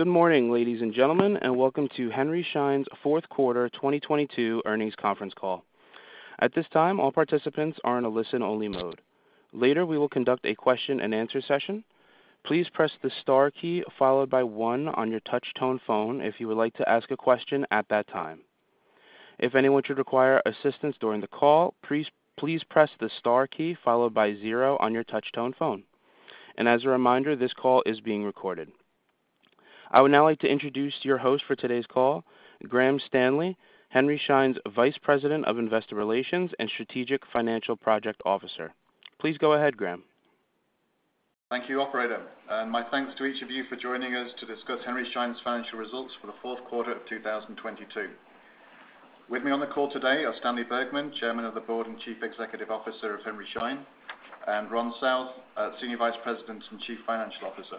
Good morning, ladies and gentlemen, and welcome to Henry Schein's Fourth Quarter 2022 Earnings Conference Call. At this time, all participants are in a listen-only mode. Later, we will conduct a question-and-answer session. Please press the star key followed by one on your touch-tone phone if you would like to ask a question at that time. If anyone should require assistance during the call, please press the star key followed by zero on your touch-tone phone. As a reminder, this call is being recorded. I would now like to introduce your host for today's call, Graham Stanley, Henry Schein's Vice President of Investor Relations and Strategic Financial Project Officer. Please go ahead, Graham. Thank you, Operator. My thanks to each of you for joining us to discuss Henry Schein's financial results for the fourth quarter of 2022. With me on the call today are Stanley Bergman, Chairman of the Board and Chief Executive Officer of Henry Schein, and Ron South, Senior Vice President and Chief Financial Officer.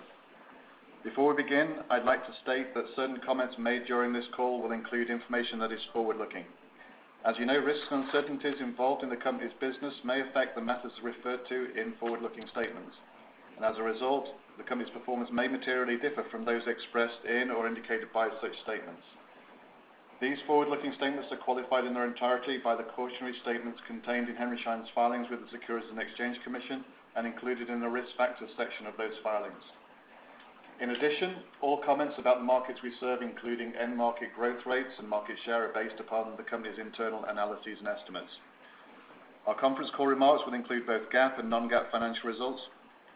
Before we begin, I'd like to state that certain comments made during this call will include information that is forward-looking. As you know, risks and uncertainties involved in the company's business may affect the matters referred to in forward-looking statements. As a result, the company's performance may materially differ from those expressed in or indicated by such statements. These forward-looking statements are qualified in their entirety by the cautionary statements contained in Henry Schein's filings with the Securities and Exchange Commission and included in the Risk Factors section of those filings. In addition, all comments about the markets we serve, including end market growth rates and market share, are based upon the company's internal analyses and estimates. Our conference call remarks will include both GAAP and non-GAAP financial results.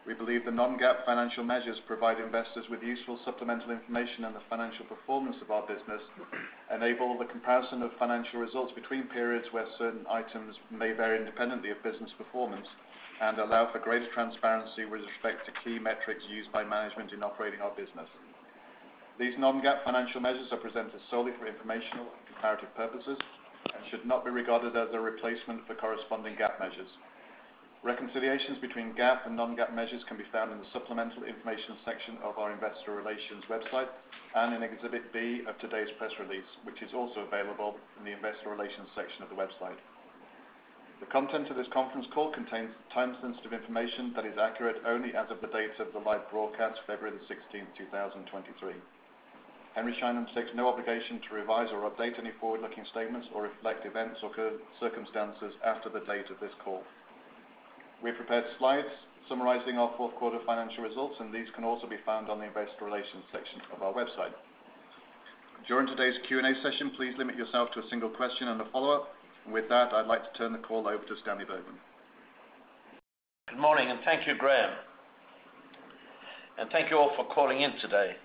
We believe the non-GAAP financial measures provide investors with useful supplemental information on the financial performance of our business, enable the comparison of financial results between periods where certain items may vary independently of business performance, and allow for greater transparency with respect to key metrics used by management in operating our business. These non-GAAP financial measures are presented solely for informational and comparative purposes and should not be regarded as a replacement for corresponding GAAP measures. Reconciliations between GAAP and non-GAAP measures can be found in the supplemental information section of our Investor Relations website and in Exhibit B of today's press release, which is also available in the investor relations section of the website. The content of this conference call contains time-sensitive information that is accurate only as of the date of the live broadcast, February 16th, 2023. Henry Schein undertakes no obligation to revise or update any forward-looking statements or reflect events or circumstances after the date of this call. We have prepared slides summarizing our fourth quarter financial results, and these can also be found on the Investor Relations section of our website. During today's Q&A session, please limit yourself to a single question and a follow-up. With that, I'd like to turn the call over to Stanley Bergman. Good morning, thank you, Graham. Thank you all for calling in today.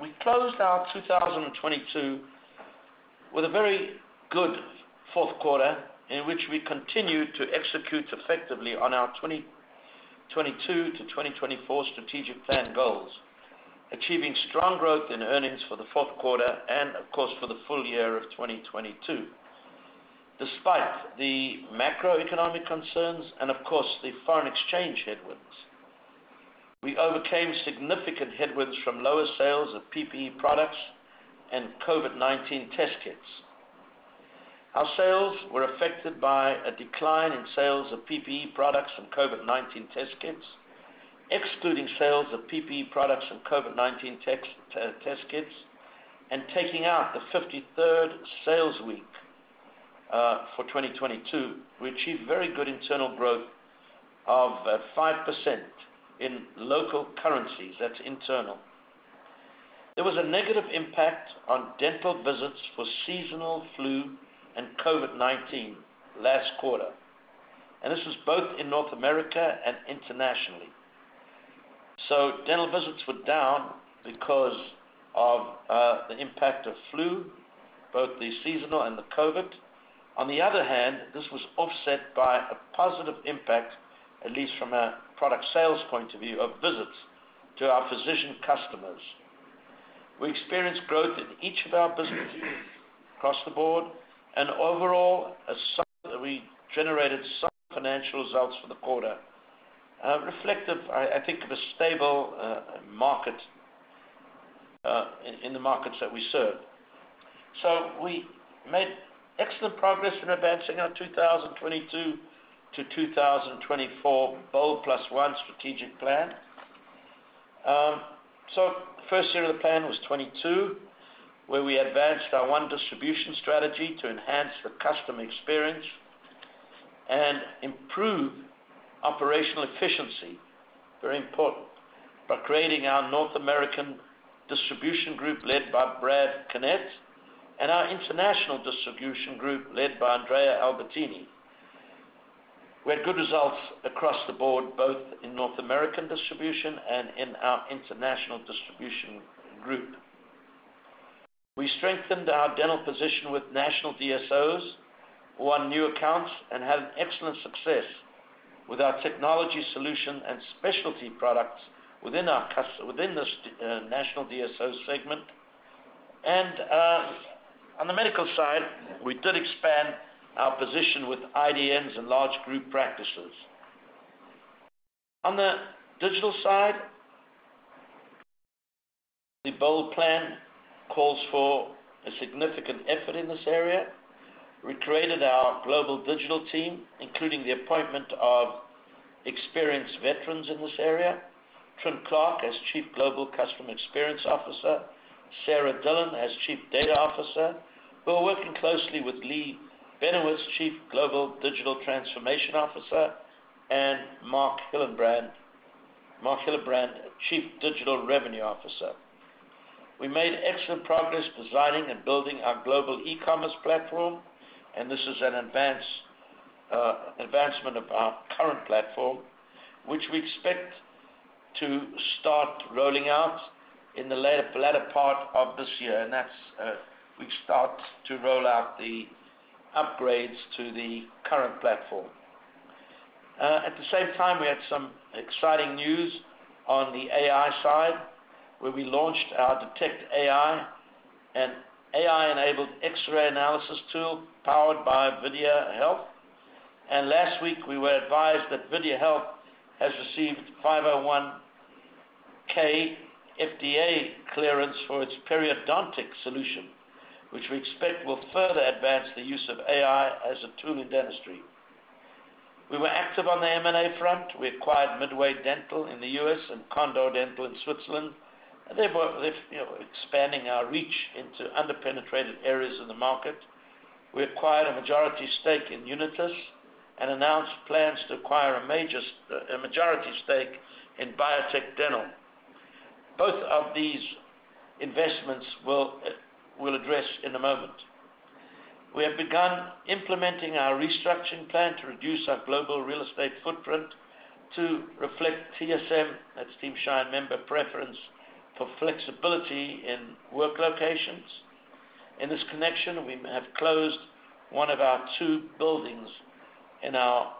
We closed our 2022 with a very good fourth quarter in which we continued to execute effectively on our 2022-2024 Strategic Plan goals. Achieving strong growth in earnings for the fourth quarter and of course, for the full year of 2022. Despite the macroeconomic concerns and of course, the foreign exchange headwinds. We overcame significant headwinds from lower sales of PPE products and COVID-19 test kits. Our sales were affected by a decline in sales of PPE products from COVID-19 test kits. Excluding sales of PPE products from COVID-19 test kits and taking out the 53rd sales week for 2022, we achieved very good internal growth of 5% in local currencies. That's internal. There was a negative impact on dental visits for seasonal flu and COVID-19 last quarter, and this was both in North America and internationally. Dental visits were down because of the impact of flu, both the seasonal and the COVID. On the other hand, this was offset by a positive impact, at least from a product sales point of view, of visits to our physician customers. We experienced growth in each of our businesses across the board and overall, a sign that we generated some financial results for the quarter, reflective, I think, of a stable market in the markets that we serve. We made excellent progress in advancing our 2022-2024 BOLD+1 Strategic Plan. The first year of the plan was 2022, where we advanced our One Distribution strategy to enhance the customer experience and improve operational efficiency, very important, by creating our North America Distribution Group led by Brad Connett and our International Distribution Group led by Andrea Albertini. We had good results across the board, both in North America Distribution and in our International Distribution Group. We strengthened our dental position with national DSOs, won new accounts, and had an excellent success with our technology solution and specialty products within this national DSO segment. On the medical side, we did expand our position with IDNs and large group practices. On the digital side, the BOLD plan calls for a significant effort in this area. We created our global digital team, including the appointment of experienced veterans in this area, Trinh Clark as Chief Global Customer Experience Officer, Sara Dillon as Chief Data Officer, who are working closely with Leigh Benowitz, Chief Global Digital Transformation Officer, and Mark Hillebrandt, Chief Digital Revenue Officer. We made excellent progress designing and building our global e-commerce platform. This is an advancement of our current platform, which we expect to start rolling out in the latter part of this year. That's we start to roll out the upgrades to the current platform. At the same time, we had some exciting news on the AI side, where we launched our Dentrix Detect AI, an AI-enabled X-ray analysis tool powered by VideaHealth. Last week, we were advised that VideaHealth has received 510(k) FDA clearance for its periodontic solution, which we expect will further advance the use of AI as a tool in dentistry. We were active on the M&A front. We acquired Midway Dental in the U.S. and Condor Dental in Switzerland. They've, you know, expanding our reach into under-penetrated areas of the market. We acquired a majority stake in Unitis and announced plans to acquire a majority stake in Biotech Dental. Both of these investments we'll address in a moment. We have begun implementing our restructuring plan to reduce our global real estate footprint to reflect TSM, that's Team Schein Member, preference for flexibility in work locations. In this connection, we have closed one of our two buildings in our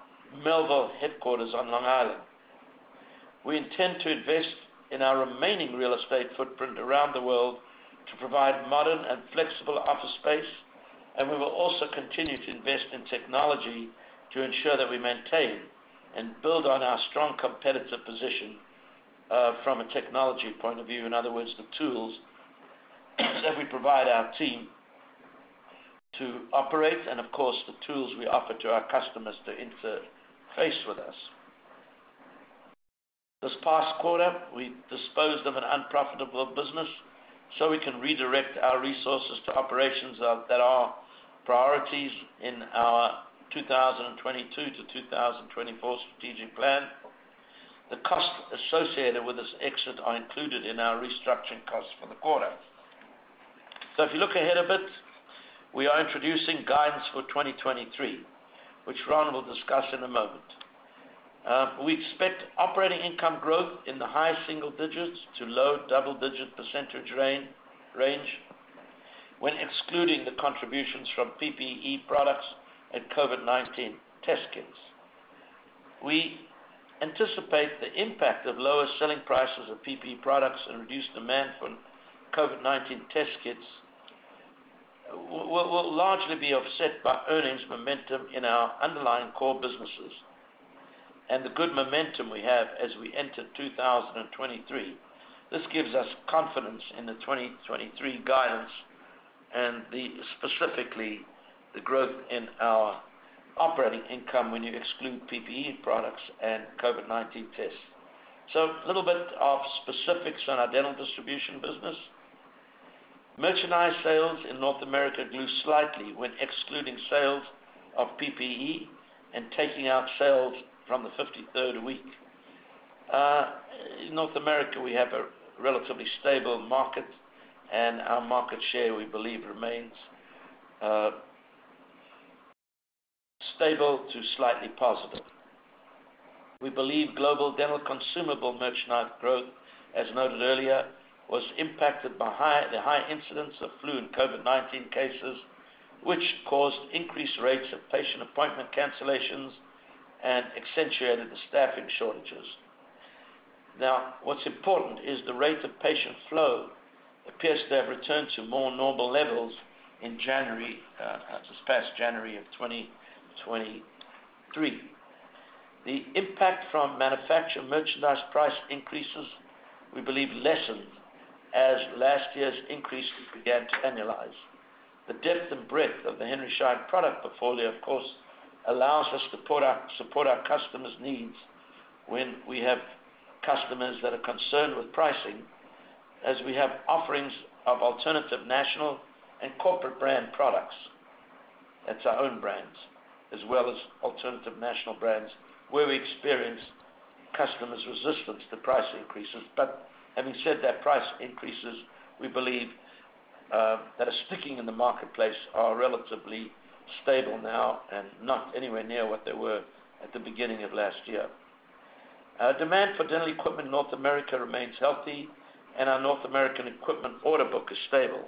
Melville headquarters on Long Island. We intend to invest in our remaining real estate footprint around the world to provide modern and flexible office space. We will also continue to invest in technology to ensure that we maintain and build on our strong competitive position from a technology point of view, in other words, the tools that we provide our team to operate. Of course, the tools we offer to our customers to interface with us. This past quarter, we disposed of an unprofitable business. We can redirect our resources to operations that are priorities in our 2022-2024 strategic plan. The cost associated with this exit are included in our restructuring costs for the quarter. If you look ahead a bit, we are introducing guidance for 2023, which Ron will discuss in a moment. We expect operating income growth in the high single digits to low double-digit percentage range when excluding the contributions from PPE products and COVID-19 test kits. We anticipate the impact of lower selling prices of PPE products and reduced demand from COVID-19 test kits will largely be offset by earnings momentum in our underlying core businesses and the good momentum we have as we enter 2023. This gives us confidence in the 2023 guidance and specifically, the growth in our operating income when you exclude PPE products and COVID-19 tests. A little bit of specifics on our dental distribution business. Merchandise sales in North America grew slightly when excluding sales of PPE and taking out sales from the 53rd week. In North America, we have a relatively stable market, and our market share, we believe, remains stable to slightly positive. We believe Global Dental consumable merchandise growth, as noted earlier, was impacted by the high incidence of flu and COVID-19 cases, which caused increased rates of patient appointment cancellations and accentuated the staffing shortages. Now, what's important is the rate of patient flow appears to have returned to more normal levels in January, this past January of 2023. The impact from manufacture merchandise price increases, we believe, lessened as last year's increase began to annualize. The depth and breadth of the Henry Schein product portfolio, of course, allows us to support our customers' needs when we have customers that are concerned with pricing, as we have offerings of alternative national and corporate brand products. That's our own brands, as well as alternative national brands, where we experience customers' resistance to price increases. Having said that, price increases, we believe, that are sticking in the marketplace are relatively stable now and not anywhere near what they were at the beginning of last year. Demand for dental equipment in North America remains healthy, and our North American equipment order book is stable.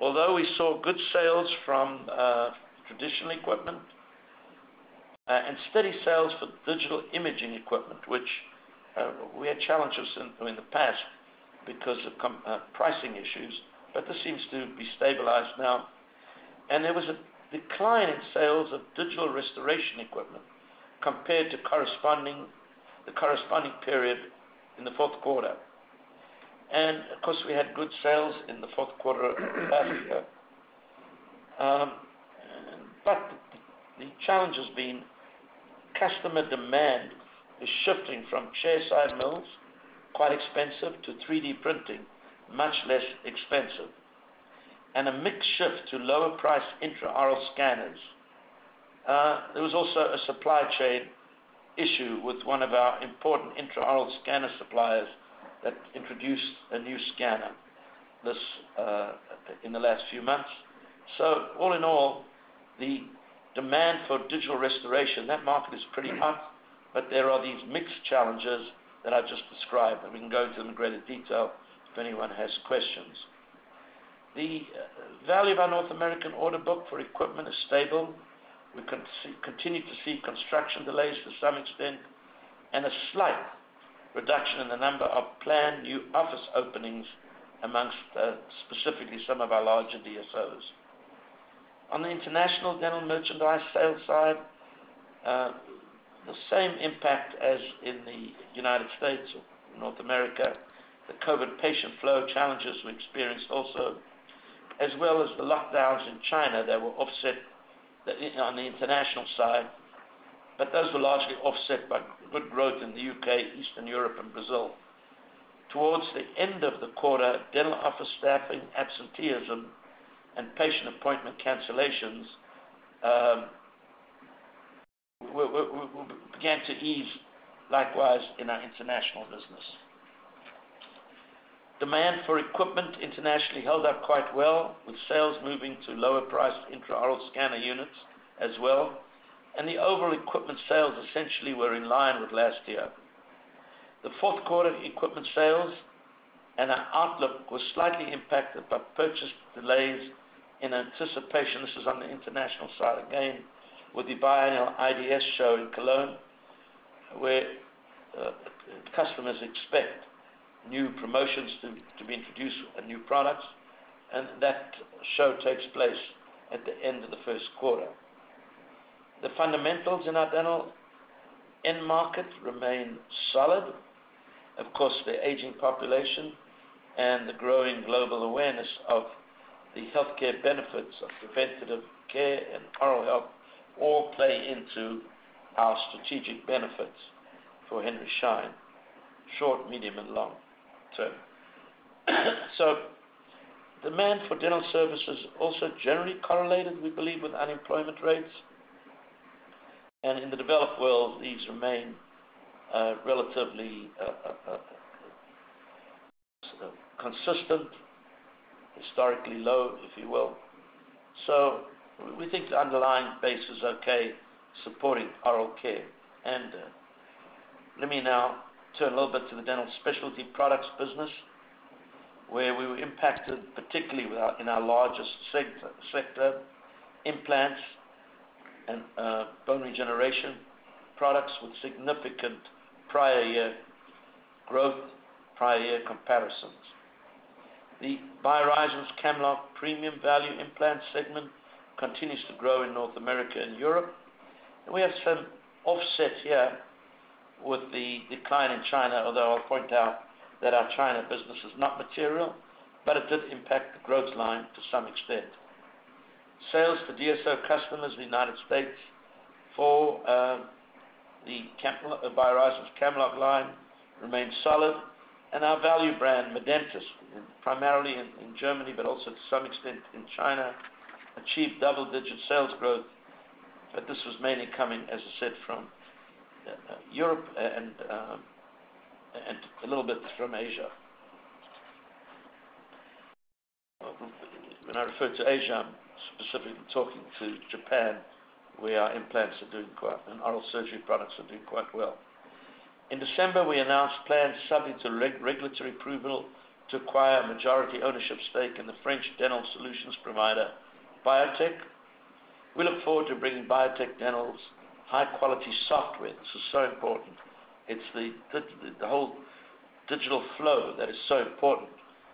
Although we saw good sales from traditional equipment, and steady sales for digital imaging equipment, which we had challenges in, you know, in the past because of pricing issues, but this seems to be stabilized now. There was a decline in sales of digital restoration equipment compared to the corresponding period in the fourth quarter. Of course, we had good sales in the fourth quarter of last year. The challenge has been customer demand is shifting from chair-side mills, quite expensive, to 3D printing, much less expensive, and a mix shift to lower-price intraoral scanners. There was also a supply chain issue with one of our important intraoral scanner suppliers that introduced a new scanner this in the last few months. All in all, the demand for digital restoration, that market is pretty hot, but there are these mixed challenges that I just described, and we can go into in greater detail if anyone has questions. The value of our North American order book for equipment is stable. We continue to see construction delays to some extent and a slight reduction in the number of planned new office openings amongst specifically some of our larger DSOs. On the international dental merchandise sales side, the same impact as in the United States or North America. The COVID patient flow challenges we experienced also, as well as the lockdowns in China that were offset the, on the international side. Those were largely offset by good growth in the U.K., Eastern Europe, and Brazil. Towards the end of the quarter, dental office staffing, absenteeism, and patient appointment cancellations began to ease likewise in our international business. Demand for equipment internationally held up quite well, with sales moving to lower priced intraoral scanner units as well, the overall equipment sales essentially were in line with last year. The fourth quarter equipment sales and our outlook was slightly impacted by purchase delays in anticipation, this is on the international side again, with the biannual IDS show in Cologne, where customers expect new promotions to be introduced and new products, and that show takes place at the end of the first quarter. The fundamentals in our dental end market remain solid. Of course, the aging population and the growing global awareness of the healthcare benefits of preventative care and oral health all play into our strategic benefits for Henry Schein, short, medium, and long term. Demand for dental services also generally correlated, we believe, with unemployment rates. In the developed world, these remain relatively consistent, historically low, if you will. We think the underlying base is okay supporting oral care. Let me now turn a little bit to the dental specialty products business, where we were impacted, particularly with our, in our largest sector, implants and bone regeneration products with significant prior year growth, prior year comparisons. The BioHorizons Camlog premium value implant segment continues to grow in North America and Europe. We have some offset here with the decline in China, although I'll point out that our China business is not material, but it did impact the growth line to some extent. Sales to DSO customers in the United States for the Camlog, BioHorizons Camlog line remained solid, and our value brand, Medentis, primarily in Germany, but also to some extent in China, achieved double-digit sales growth. This was mainly coming, as I said, from Europe and a little bit from Asia. When I refer to Asia, I'm specifically talking to Japan, where our implants are doing quite. Oral surgery products are doing quite well. In December, we announced plans subject to regulatory approval to acquire a majority ownership stake in the French dental solutions provider, Biotech. We look forward to bringing Biotech Dental's high-quality software. This is so important. It's the whole digital flow that is so important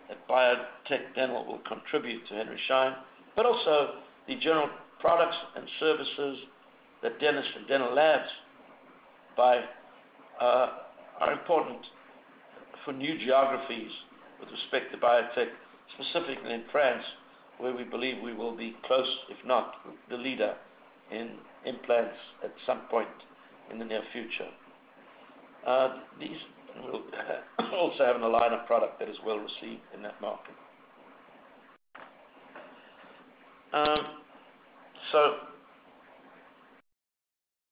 that Biotech Dental will contribute to Henry Schein, but also the general products and services that dentists and dental labs buy, are important for new geographies with respect to Biotech, specifically in France, where we believe we will be close, if not the leader in implants at some point in the near future. These will also have a line of product that is well received in that market.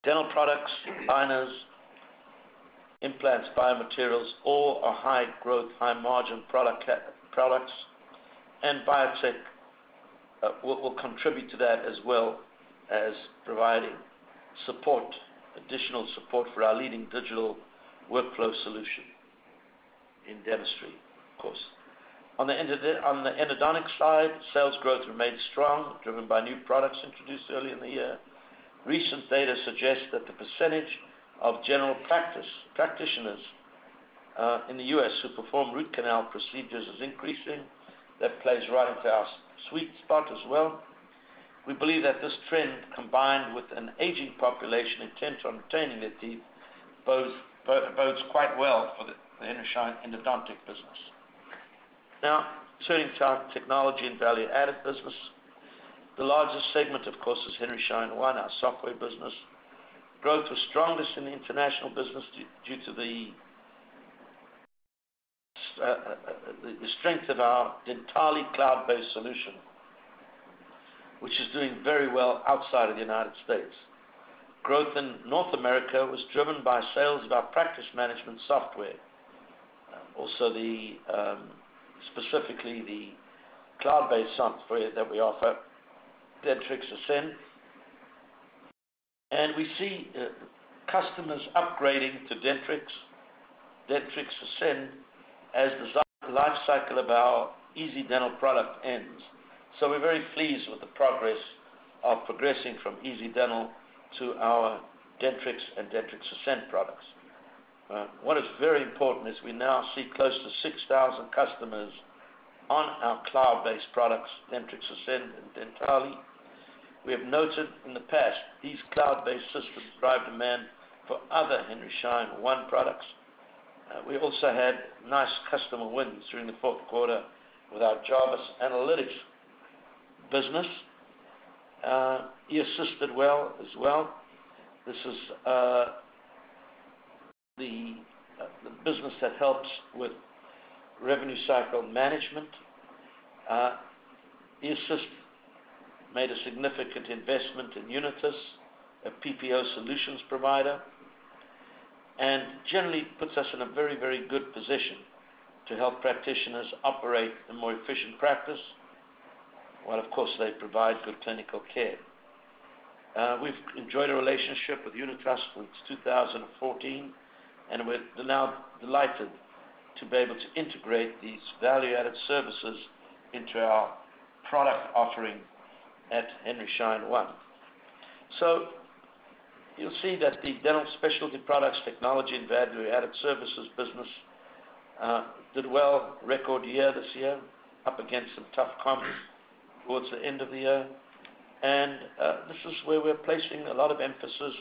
Dental products, liners, implants, biomaterials, all are high growth, high margin products, Biotech will contribute to that as well as providing support, additional support for our leading digital workflow solution in dentistry, of course. On the endodontic side, sales growth remained strong, driven by new products introduced earlier in the year. Recent data suggests that the percentage of general practice practitioners in the US who perform root canal procedures is increasing. That plays right into our sweet spot as well. We believe that this trend, combined with an aging population intent on obtaining a deep bodes quite well for the Henry Schein Endodontic business. Turning to our technology and value-added business. The largest segment, of course, is Henry Schein One, our software business. Growth was strongest in the international business due to the strength of our entirely cloud-based solution, which is doing very well outside of the United States. Growth in North America was driven by sales of our practice management software. Also the specifically the cloud-based software that we offer, Dentrix Ascend. And we see customers upgrading to Dentrix Ascend as the lifecycle of our Easy Dental product ends. So we're very pleased with the progress of progressing from Easy Dental to our Dentrix and Dentrix Ascend products. What is very important is we now see close to 6,000 customers on our cloud-based products, Dentrix Ascend and Dentally. We have noted in the past, these cloud-based systems drive demand for other Henry Schein One products. We also had nice customer wins during the fourth quarter with our Jarvis Analytics business. eAssist did well, as well. This is the business that helps with revenue cycle management. eAssist made a significant investment in Unitas, a PPO solutions provider, and generally puts us in a very, very good position to help practitioners operate a more efficient practice, while, of course, they provide good clinical care. We've enjoyed a relationship with Unitas since 2014, and we're now delighted to be able to integrate these value-added services into our product offering at Henry Schein One. You'll see that the dental specialty products, technology, and value-added services business did well, record year this year, up against some tough comps towards the end of the year. This is where we're placing a lot of emphasis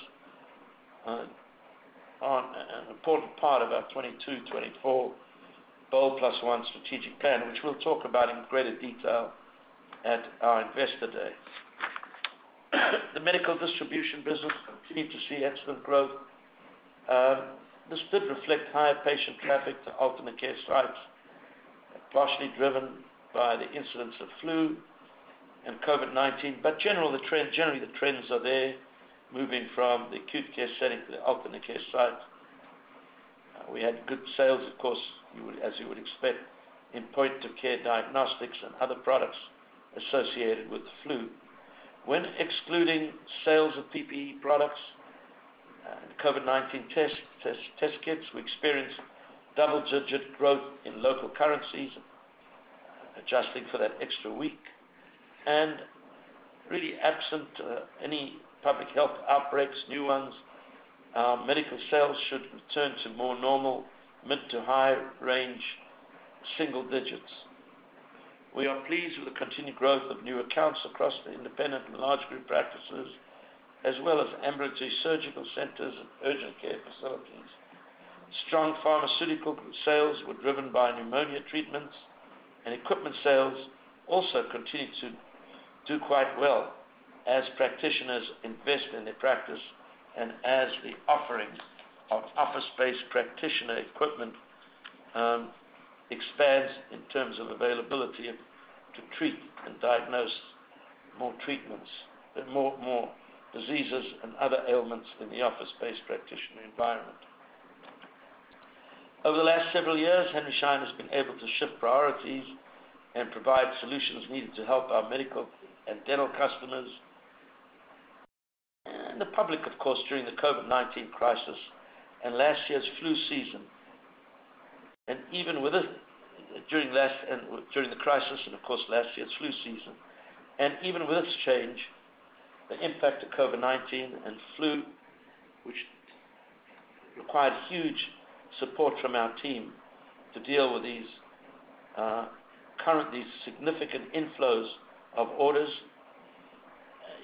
on an important part of our 2022-2024 BOLD+1 Strategic Plan, which we'll talk about in greater detail at our Investor Day. The medical distribution business continued to see excellent growth. This did reflect higher patient traffic to urgent care sites, partially driven by the incidence of flu and COVID-19. Generally, the trends are there, moving from the acute care setting to the urgent care site. We had good sales, of course, as you would expect, in point-of-care diagnostics and other products associated with the flu. When excluding sales of PPE products and COVID-19 test kits, we experienced double-digit growth in local currencies, adjusting for that extra week. Really absent any public health outbreaks, new ones, our medical sales should return to more normal mid-to-high range, single digits. We are pleased with the continued growth of new accounts across the independent and large group practices, as well as ambulatory surgical centers and urgent care facilities. Strong pharmaceutical sales were driven by pneumonia treatments, and equipment sales also continued to do quite well as practitioners invest in their practice and as the offerings of office-based practitioner equipment expands in terms of availability to treat and diagnose more diseases and other ailments in the office-based practitioner environment. Over the last several years, Henry Schein has been able to shift priorities and provide solutions needed to help our medical and dental customers, and the public, of course, during the COVID-19 crisis and last year's flu season. During the crisis and, of course, last year's flu season. Even with this change, the impact of COVID-19 and flu, which required huge support from our team to deal with these currently significant inflows of orders.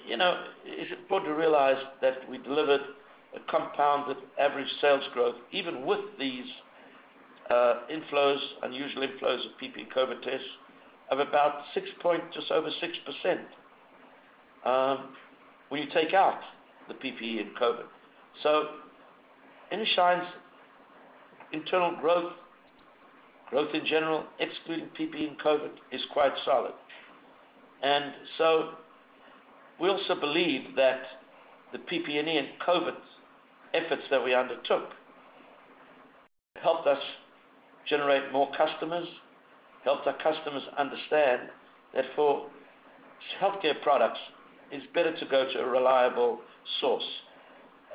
You know, it's important to realize that we delivered a compounded average sales growth, even with these inflows, unusual inflows of PPE COVID tests of about just over 6%, when you take out the PPE and COVID. Henry Schein's internal growth in general, excluding PPE and COVID, is quite solid. We also believe that the PPE and COVID efforts that we undertook helped us generate more customers, helped our customers understand that for healthcare products, it's better to go to a reliable source.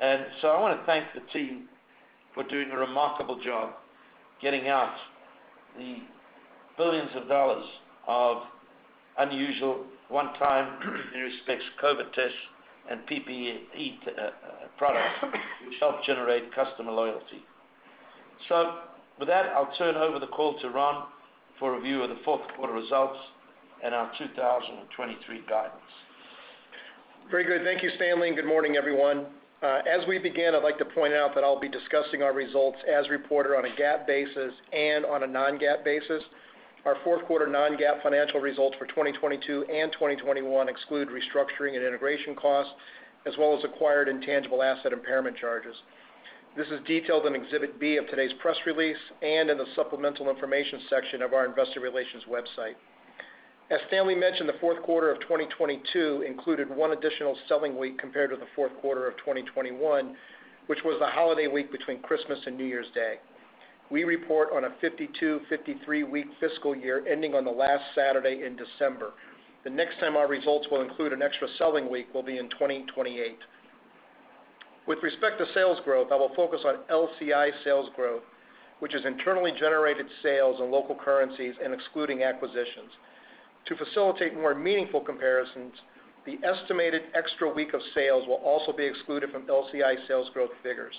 I want to thank the team for doing a remarkable job getting out the billions of dollars of unusual one-time, in respects, COVID tests and PPE products which help generate customer loyalty. With that, I'll turn over the call to Ron for a review of the fourth quarter results and our 2023 guidance. Very good. Thank you, Stanley. Good morning, everyone. As we begin, I'd like to point out that I'll be discussing our results as reported on a GAAP basis and on a non-GAAP basis. Our fourth quarter non-GAAP financial results for 2022 and 2021 exclude restructuring and integration costs, as well as acquired intangible asset impairment charges. This is detailed in Exhibit B of today's press release and in the supplemental information section of our Investor Relations website. As Stanley mentioned, the fourth quarter of 2022 included one additional selling week compared to the fourth quarter of 2021, which was the holiday week between Christmas and New Year's Day. We report on a 52, 53-week fiscal year ending on the last Saturday in December. The next time our results will include an extra selling week will be in 2028. With respect to sales growth, I will focus on LCI sales growth, which is internally generated sales in local currencies and excluding acquisitions. To facilitate more meaningful comparisons, the estimated extra week of sales will also be excluded from LCI sales growth figures.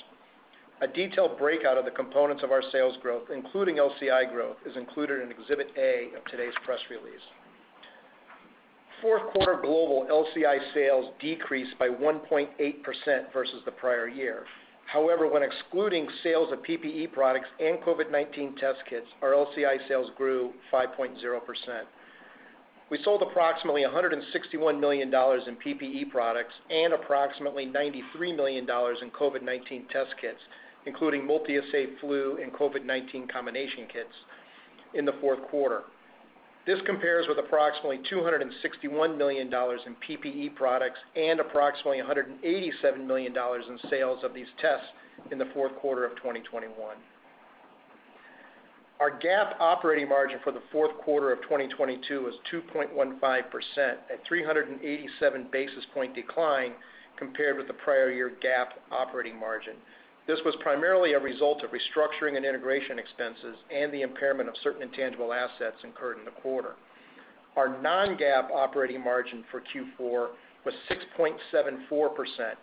A detailed breakout of the components of our sales growth, including LCI growth, is included in Exhibit A of today's press release. Fourth quarter global LCI sales decreased by 1.8% versus the prior year. However, when excluding sales of PPE products and COVID-19 test kits, our LCI sales grew 5.0%. We sold approximately $161 million in PPE products and approximately $93 million in COVID-19 test kits, including MultiAssay flu and COVID-19 combination kits in the fourth quarter. This compares with approximately $261 million in PPE products and approximately $187 million in sales of these tests in the fourth quarter of 2021. Our GAAP operating margin for the fourth quarter of 2022 was 2.15% at 387 basis point decline compared with the prior year GAAP operating margin. This was primarily a result of restructuring and integration expenses and the impairment of certain intangible assets incurred in the quarter. Our non-GAAP operating margin for Q4 was 6.74%,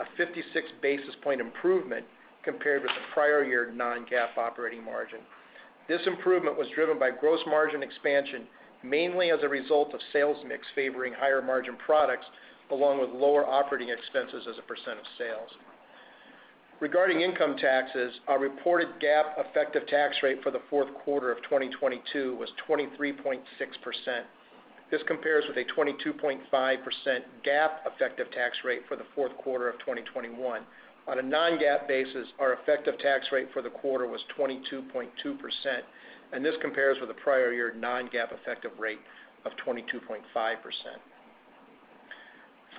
a 56 basis point improvement compared with the prior year non-GAAP operating margin. This improvement was driven by gross margin expansion, mainly as a result of sales mix favoring higher margin products, along with lower operating expenses as a perecent of sales. Regarding income taxes, our reported GAAP effective tax rate for the fourth quarter of 2022 was 23.6%. This compares with a 22.5% GAAP effective tax rate for the fourth quarter of 2021. On a non-GAAP basis, our effective tax rate for the quarter was 22.2%. This compares with the prior year non-GAAP effective rate of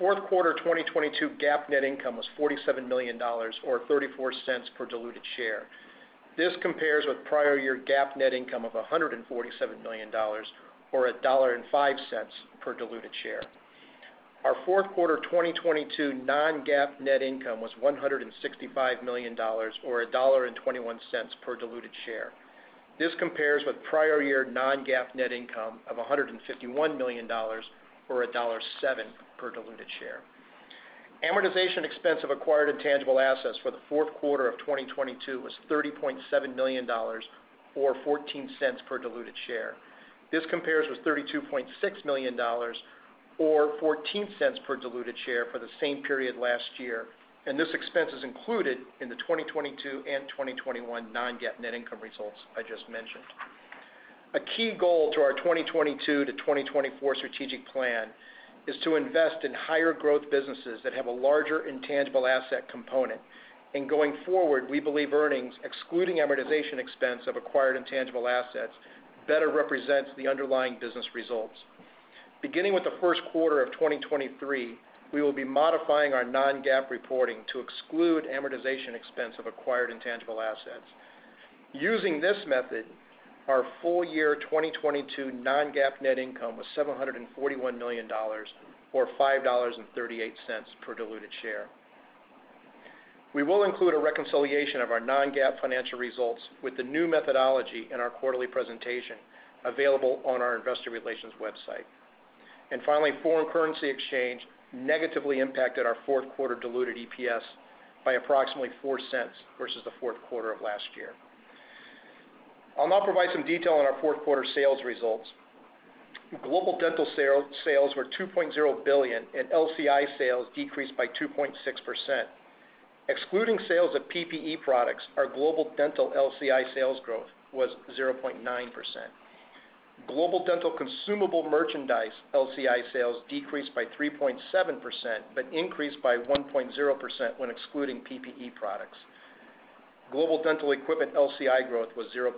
22.5%. Fourth quarter 2022 GAAP net income was $47 million or $0.34 per diluted share. This compares with prior year GAAP net income of $147 million or $1.05 per diluted share. Our fourth quarter 2022 non-GAAP net income was $165 million or $1.21 per diluted share. This compares with prior year non-GAAP net income of $151 million or $1.07 per diluted share. Amortization expense of acquired intangible assets for the fourth quarter of 2022 was $30.7 million or $0.14 per diluted share. This compares with $32.6 million or $0.14 per diluted share for the same period last year, and this expense is included in the 2022 and 2021 non-GAAP net income results I just mentioned. A key goal to our 2022-2024 strategic plan is to invest in higher growth businesses that have a larger intangible asset component. Going forward, we believe earnings, excluding amortization expense of acquired intangible assets, better represents the underlying business results. Beginning with the first quarter of 2023, we will be modifying our non-GAAP reporting to exclude amortization expense of acquired intangible assets. Using this method, our full year 2022 non-GAAP net income was $741 million or $5.38 per diluted share. We will include a reconciliation of our non-GAAP financial results with the new methodology in our quarterly presentation available on our Investor Relations website. Finally, foreign currency exchange negatively impacted our fourth quarter diluted EPS by approximately $0.04 versus the fourth quarter of last year. I'll now provide some detail on our fourth quarter sales results. Global Dental sales were $2.0 billion, and LCI sales decreased by 2.6%. Excluding sales of PPE products, our Global Dental LCI sales growth was 0.9%. Global Dental consumable merchandise LCI sales decreased by 3.7%, but increased by 1.0% when excluding PPE products. Global Dental equipment LCI growth was 0.7%.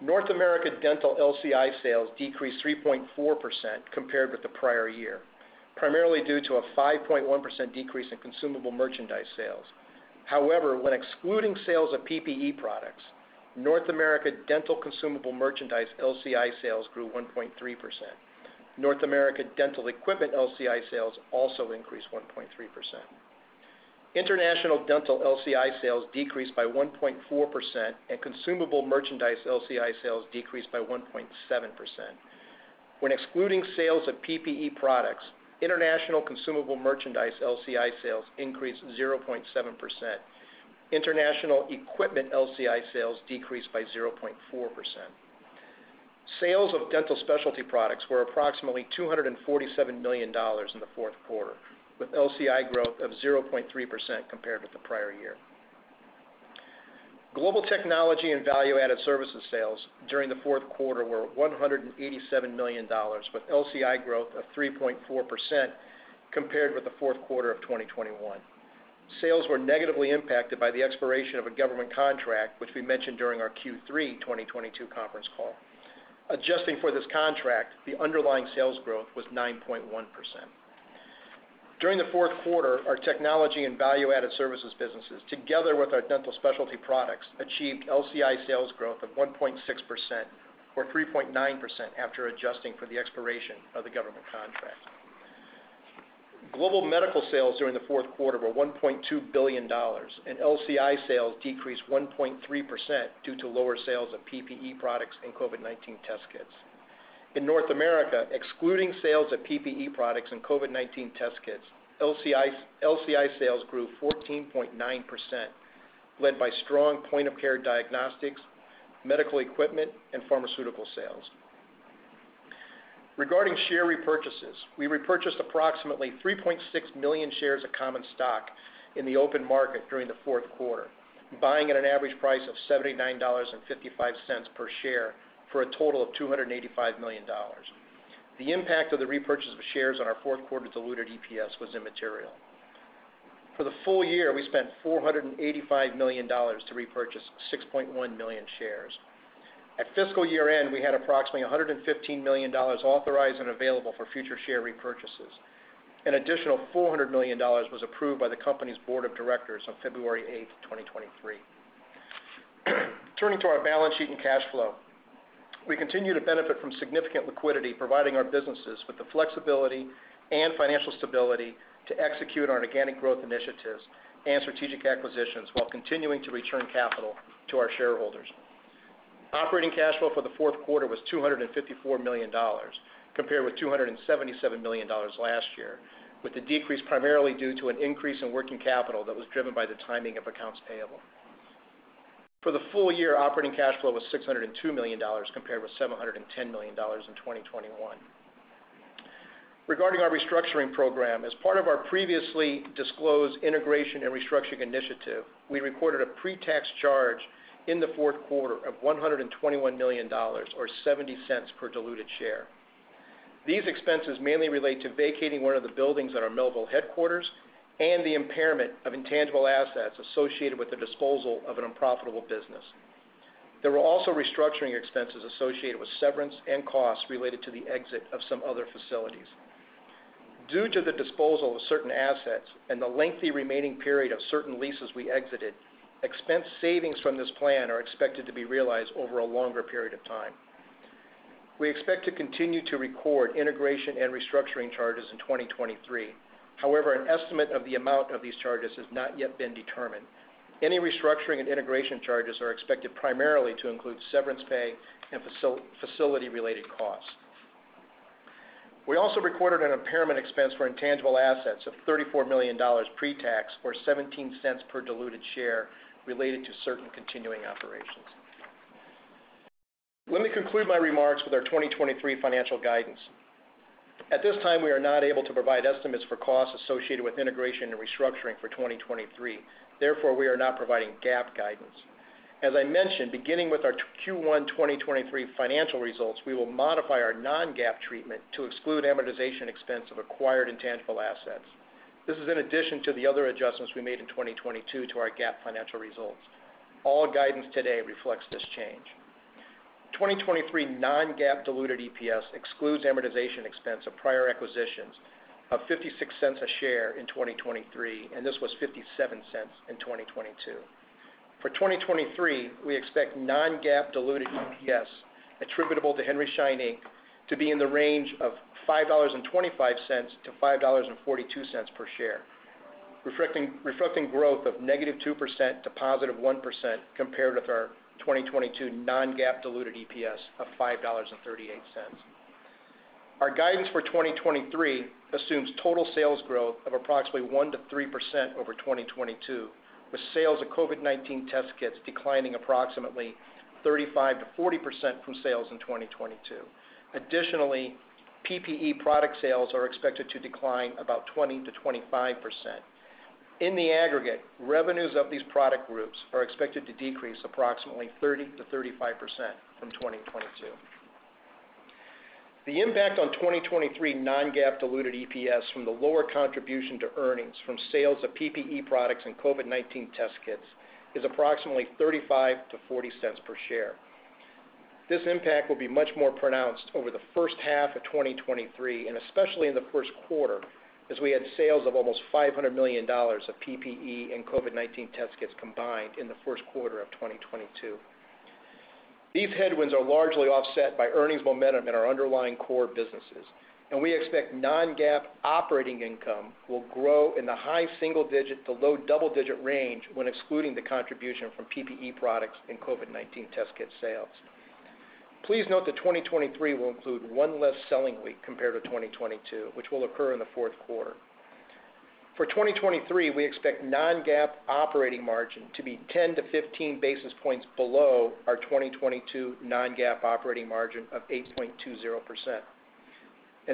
North America dental LCI sales decreased 3.4% compared with the prior year, primarily due to a 5.1% decrease in consumable merchandise sales. However, when excluding sales of PPE products, North America dental consumable merchandise LCI sales grew 1.3%. North America dental equipment LCI sales also increased 1.3%. International dental LCI sales decreased by 1.4%, and consumable merchandise LCI sales decreased by 1.7%. When excluding sales of PPE products, international consumable merchandise LCI sales increased 0.7%. International equipment LCI sales decreased by 0.4%. Sales of dental specialty products were approximately $247 million in the fourth quarter, with LCI growth of 0.3% compared with the prior year. Global technology and value-added services sales during the fourth quarter were $187 million, with LCI growth of 3.4% compared with the fourth quarter of 2021. Sales were negatively impacted by the expiration of a government contract, which we mentioned during our Q3 2022 conference call. Adjusting for this contract, the underlying sales growth was 9.1%. During the fourth quarter, our technology and value-added services businesses, together with our dental specialty products, achieved LCI sales growth of 1.6%, or 3.9% after adjusting for the expiration of the government contract. Global Medical sales during the fourth quarter were $1.2 billion. LCI sales decreased 1.3% due to lower sales of PPE products and COVID-19 test kits. In North America, excluding sales of PPE products and COVID-19 test kits, LCI sales grew 14.9%, led by strong point-of-care diagnostics, medical equipment, and pharmaceutical sales. Regarding share repurchases, we repurchased approximately 3.6 million shares of common stock in the open market during the fourth quarter, buying at an average price of $79.55 per share for a total of $285 million. The impact of the repurchase of shares on our fourth quarter diluted EPS was immaterial. For the full year, we spent $485 million to repurchase 6.1 million shares. At fiscal year-end, we had approximately $115 million authorized and available for future share repurchases. An additional $400 million was approved by the company's Board of Directors on February 8th, 2023. Turning to our balance sheet and cash flow. We continue to benefit from significant liquidity, providing our businesses with the flexibility and financial stability to execute our organic growth initiatives and strategic acquisitions while continuing to return capital to our shareholders. Operating cash flow for the fourth quarter was $254 million, compared with $277 million last year, with the decrease primarily due to an increase in working capital that was driven by the timing of accounts payable. For the full year, operating cash flow was $602 million, compared with $710 million in 2021. Regarding our restructuring program, as part of our previously disclosed integration and restructuring initiative, we recorded a pre-tax charge in the fourth quarter of $121 million or $0.70 per diluted share. These expenses mainly relate to vacating one of the buildings at our Melville headquarters and the impairment of intangible assets associated with the disposal of an unprofitable business. There were also restructuring expenses associated with severance and costs related to the exit of some other facilities. Due to the disposal of certain assets and the lengthy remaining period of certain leases we exited, expense savings from this plan are expected to be realized over a longer period of time. We expect to continue to record integration and restructuring charges in 2023. An estimate of the amount of these charges has not yet been determined. Any restructuring and integration charges are expected primarily to include severance pay and facility related costs. We also recorded an impairment expense for intangible assets of $34 million pre-tax, or $0.17 per diluted share, related to certain continuing operations. Let me conclude my remarks with our 2023 financial guidance. At this time, we are not able to provide estimates for costs associated with integration and restructuring for 2023. We are not providing GAAP guidance. As I mentioned, beginning with our Q1 2023 financial results, we will modify our non-GAAP treatment to exclude amortization expense of acquired intangible assets. This is in addition to the other adjustments we made in 2022 to our GAAP financial results. All guidance today reflects this change. 2023 non-GAAP diluted EPS excludes amortization expense of prior acquisitions of $0.56 a share in 2023, and this was $0.57 in 2022. For 2023, we expect non-GAAP diluted EPS attributable to Henry Schein, Inc. to be in the range of $5.25-$5.42 per share, reflecting growth of -2% to +1% compared with our 2022 non-GAAP diluted EPS of $5.38. Our guidance for 2023 assumes total sales growth of approximately 1%-3% over 2022, with sales of COVID-19 test kits declining approximately 35%-40% from sales in 2022. Additionally, PPE product sales are expected to decline about 20%-25%. In the aggregate, revenues of these product groups are expected to decrease approximately 30%-35% from 2022. The impact on 2023 non-GAAP diluted EPS from the lower contribution to earnings from sales of PPE products and COVID-19 test kits is approximately $0.35-$0.40 per share. This impact will be much more pronounced over the first half of 2023, and especially in the first quarter, as we had sales of almost $500 million of PPE and COVID-19 test kits combined in the first quarter of 2022. We expect non-GAAP operating income will grow in the high single digit to low double digit range when excluding the contribution from PPE products and COVID-19 test kit sales. Please note that 2023 will include one less selling week compared to 2022, which will occur in the fourth quarter. For 2023, we expect non-GAAP operating margin to be 10-15 basis points below our 2022 non-GAAP operating margin of 8.20%.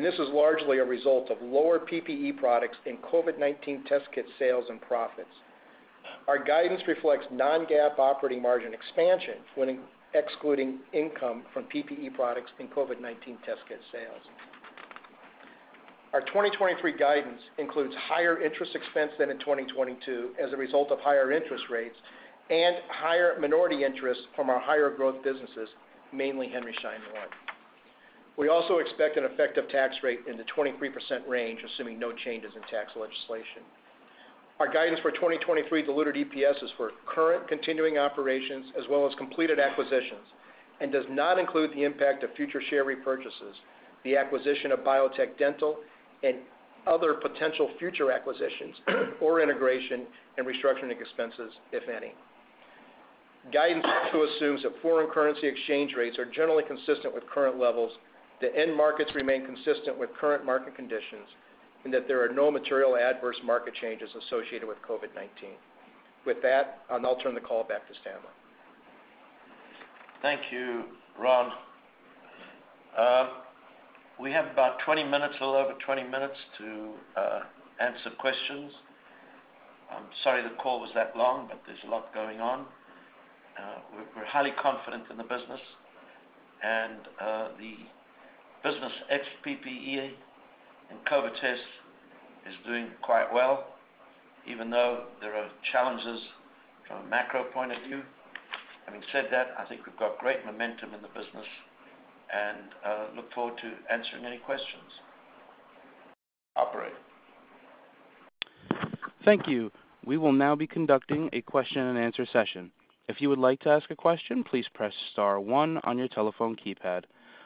This is largely a result of lower PPE products in COVID-19 test kit sales and profits. Our guidance reflects non-GAAP operating margin expansion when excluding income from PPE products in COVID-19 test kit sales. Our 2023 guidance includes higher interest expense than in 2022 as a result of higher interest rates and higher minority interest from our higher growth businesses, mainly Henry Schein One. We also expect an effective tax rate in the 23% range, assuming no changes in tax legislation. Our guidance for 2023 diluted EPS is for current continuing operations as well as completed acquisitions, and does not include the impact of future share repurchases, the acquisition of Biotech Dental and other potential future acquisitions or integration and restructuring expenses, if any. Guidance also assumes that foreign currency exchange rates are generally consistent with current levels, the end markets remain consistent with current market conditions, and that there are no material adverse market changes associated with COVID-19. With that, I'll now turn the call back to Stanley. Thank you, Ron. We have about 20 minutes, a little over 20 minutes to answer questions. I'm sorry the call was that long. There's a lot going on. We're highly confident in the business and the business ex PPE and COVID test is doing quite well, even though there are challenges from a macro point of view. Having said that, I think we've got great momentum in the business and look forward to answering any questions. Operator. Thank you. We will now be conducting a question-and-answer session. If you would like to ask a question, please press star one on your telephone keypad.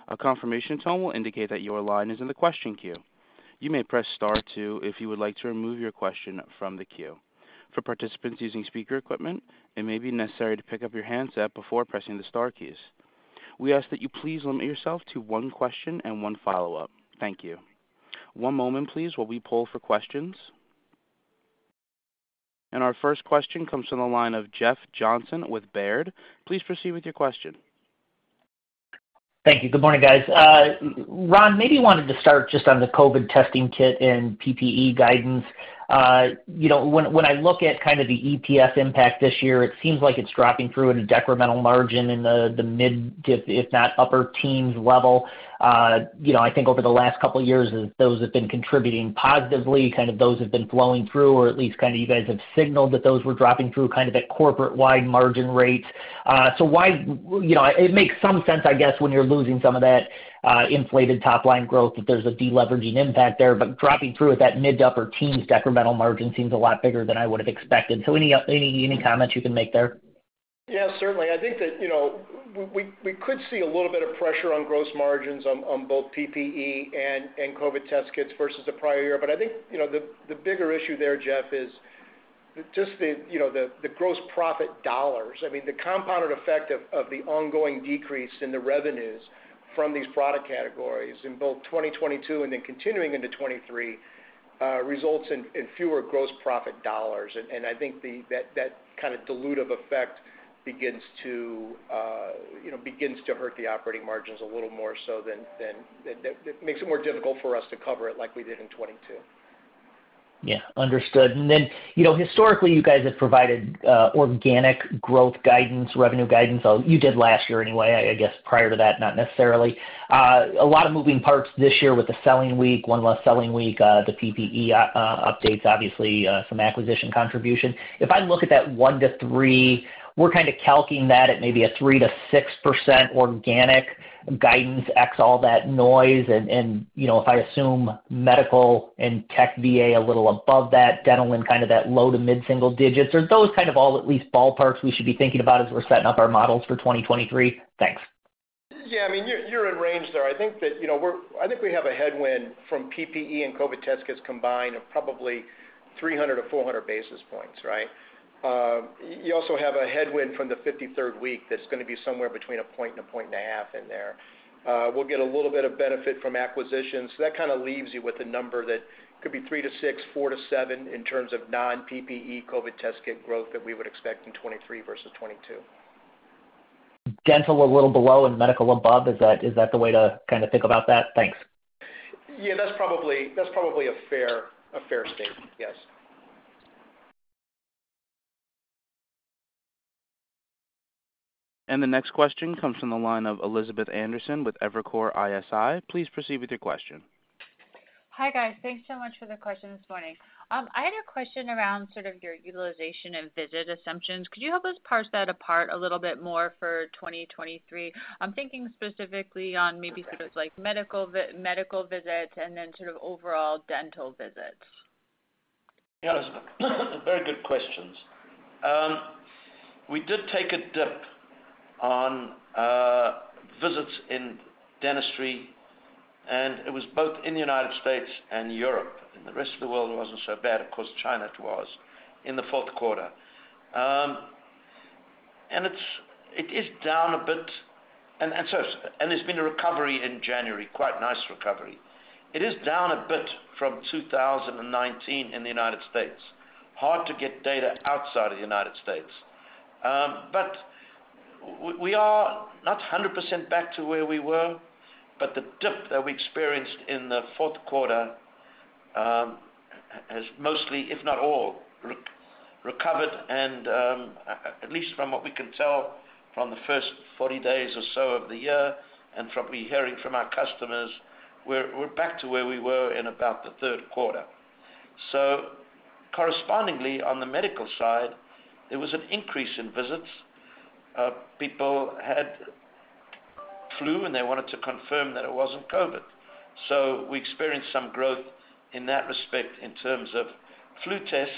A confirmation tone will indicate that your line is in the question queue. You may press star two if you would like to remove your question from the queue. For participants using speaker equipment, it may be necessary to pick up your handset before pressing the star keys. We ask that you please limit yourself to one question and one follow-up. Thank you. One moment, please, while we poll for questions. Our first question comes from the line of Jeff Johnson with Baird. Please proceed with your question. Thank you. Good morning, guys. Ron, maybe wanted to start just on the COVID testing kit and PPE guidance. You know, when I look at kind of the EPS impact this year, it seems like it's dropping through in a decremental margin in the mid, if not upper teens level. You know, I think over the last couple of years, those have been contributing positively, kind of those have been flowing through, or at least kind of you guys have signaled that those were dropping through kind of at corporate-wide margin rates. Why... You know, it makes some sense, I guess, when you're losing some of that inflated top-line growth, that there's a deleveraging impact there. But dropping through at that mid-upper teens decremental margin seems a lot bigger than I would have expected. Any comments you can make there? Yeah, certainly. I think that, you know, we could see a little bit of pressure on gross margins on both PPE and COVID test kits versus the prior year. I think, you know, the bigger issue there, Jeff, is just the, you know, the gross profit dollars. I mean, the compounded effect of the ongoing decrease in the revenues from these product categories in both 2022 and then continuing into 2023 results in fewer gross profit dollars. And I think that kind of dilutive effect begins to, you know, begins to hurt the operating margins a little more so than it makes it more difficult for us to cover it like we did in 2022. Yeah. Understood. You know, historically, you guys have provided organic growth guidance, revenue guidance. You did last year anyway. I guess prior to that, not necessarily. A lot of moving parts this year with the selling week, one less selling week, the PPE updates, obviously, some acquisition contribution. If I look at that 1-3, we're kind of calking that at maybe a 3%-6% organic guidance, ex all that noise. You know, if I assume medical and tech VA a little above that, dental in kind of that low to mid-single digits. Are those kind of all at least ballparks we should be thinking about as we're setting up our models for 2023? Thanks. Yeah. I mean, you're in range there. I think that, you know, I think we have a headwind from PPE and COVID test kits combined of probably 300-400 basis points, right? You also have a headwind from the 53rd week that's going to be somewhere between 1 point and 1.5 points in there. We'll get a little bit of benefit from acquisitions. That kind of leaves you with a number that could be 3%-6%, 4%-7% in terms of non-PPE COVID test kit growth that we would expect in 2023 versus 2022. Dental a little below and medical above. Is that the way to kind of think about that? Thanks. Yeah, that's probably a fair statement. Yes. The next question comes from the line of Elizabeth Anderson with Evercore ISI. Please proceed with your question. Hi, guys. Thanks so much for the question this morning. I had a question around sort of your utilization and visit assumptions. Could you help us parse that apart a little bit more for 2023? I'm thinking specifically on maybe sort of like medical visits and then sort of overall dental visits. Yeah. Those are very good questions. We did take a dip on visits in dentistry, and it was both in the United States and Europe. In the rest of the world, it wasn't so bad. Of course, China it was in the fourth quarter. It is down a bit. There's been a recovery in January, quite nice recovery. It is down a bit from 2019 in the United States. Hard to get data outside of the United States. We are not 100% back to where we were, but the dip that we experienced in the fourth quarter has mostly, if not all, recovered. At least from what we can tell from the first 40 days or so of the year, and from what we're hearing from our customers, we're back to where we were in about the third quarter. Correspondingly, on the medical side, there was an increase in visits. People had flu, and they wanted to confirm that it wasn't COVID. We experienced some growth in that respect in terms of flu tests,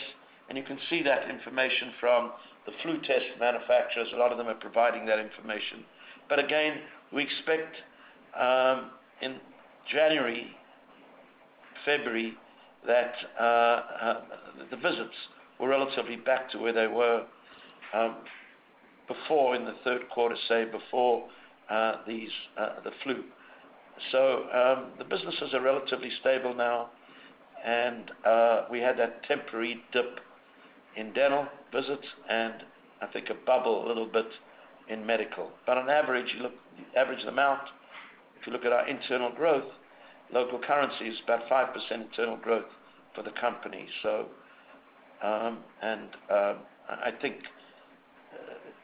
and you can see that information from the flu test manufacturers. A lot of them are providing that information. Again, we expect in January, February, that the visits were relatively back to where they were before in the third quarter, say, before these the flu. The businesses are relatively stable now and we had that temporary dip in dental visits and I think above a little bit in medical. On average amount, if you look at our internal growth, local currency is about 5% internal growth for the company. And I think,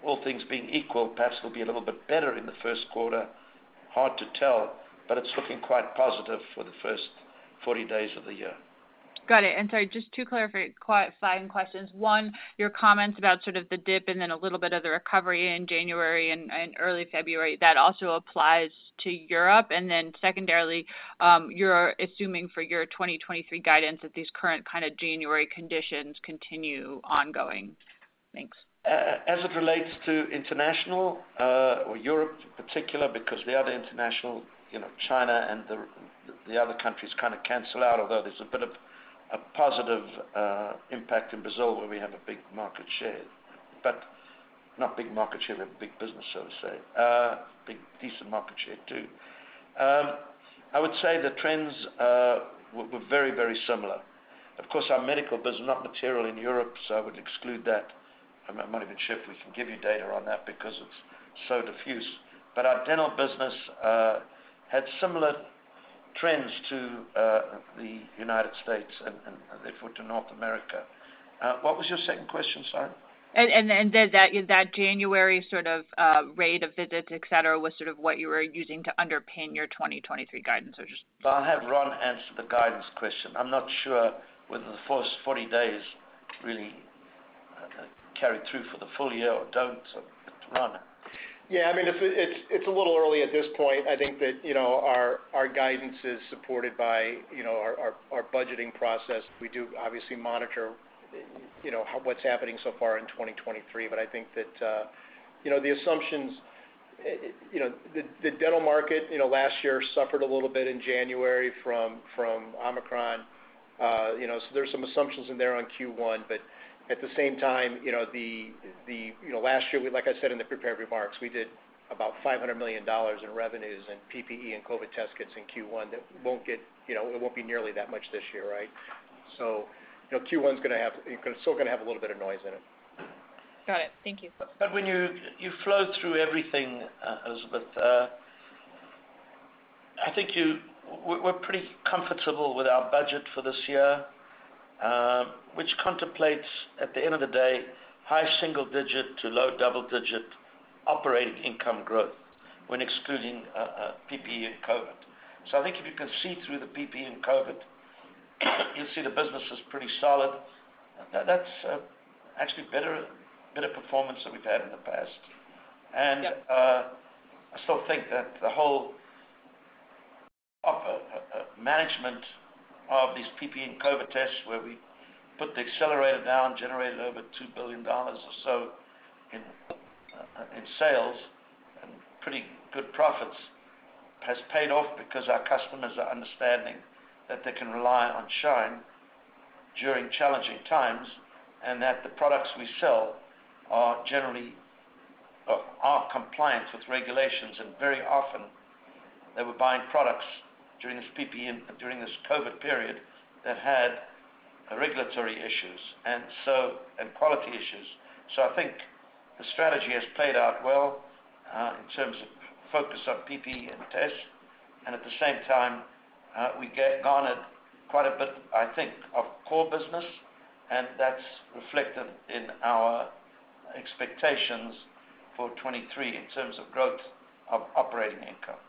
all things being equal, perhaps it'll be a little bit better in the first quarter. Hard to tell, but it's looking quite positive for the first 40 days of the year. Got it. Sorry, just to clarify [two] questions. One, your comments about sort of the dip and then a little bit of the recovery in January and early February, that also applies to Europe? Secondarily, you're assuming for your 2023 guidance that these current kinda January conditions continue ongoing? Thanks. As it relates to international, or Europe in particular, because the other international, you know, China and the other countries kinda cancel out. Although there's a bit of a positive impact in Brazil where we have a big market share. Not big market share, they're big business, so to say. Decent market share too. I would say the trends were very, very similar. Of course, our medical business is not material in Europe, so I would exclude that. I might even shift. We can give you data on that because it's so diffuse. Our dental business had similar trends to the United States and therefore to North America. What was your second question, sorry? Is that January sort of rate of visits, et cetera, was sort of what you were using to underpin your 2023 guidance or just...? I'll have Ron answer the guidance question. I'm not sure whether the first 40 days really carried through for the full year or don't. Ron. Yeah, I mean, it's a little early at this point. I think that, you know, our guidance is supported by, you know, our budgeting process. We do obviously monitor, you know, what's happening so far in 2023. I think that, you know, the assumptions, you know, the dental market, you know, last year suffered a little bit in January from Omicron. You know, there's some assumptions in there on Q1. At the same time, you know, last year, like I said in the prepared remarks, we did about $500 million in revenues in PPE and COVID test kits in Q1 that won't get, you know, it won't be nearly that much this year, right? you know, Q1 still going to have a little bit of noise in it. Got it. Thank you. When you flow through everything, Elizabeth, I think we're pretty comfortable with our budget for this year, which contemplates, at the end of the day, high single digit to low double digit operating income growth when excluding PPE and COVID. I think if you can see through the PPE and COVID, you'll see the business is pretty solid. That's actually better performance than we've had in the past. I still think that the whole of management of these PPE and COVID tests, where we put the accelerator down, generated over $2 billion or so in sales and pretty good profits, has paid off because our customers are understanding that they can rely on Schein during challenging times, and that the products we sell are compliant with regulations. Very often, they were buying products during this PPE and during this COVID period that had regulatory issues, and quality issues. I think the strategy has played out well, in terms of focus on PPE and tests. At the same time, we garnered quite a bit, I think, of core business, and that's reflected in our expectations for 2023 in terms of growth of operating income.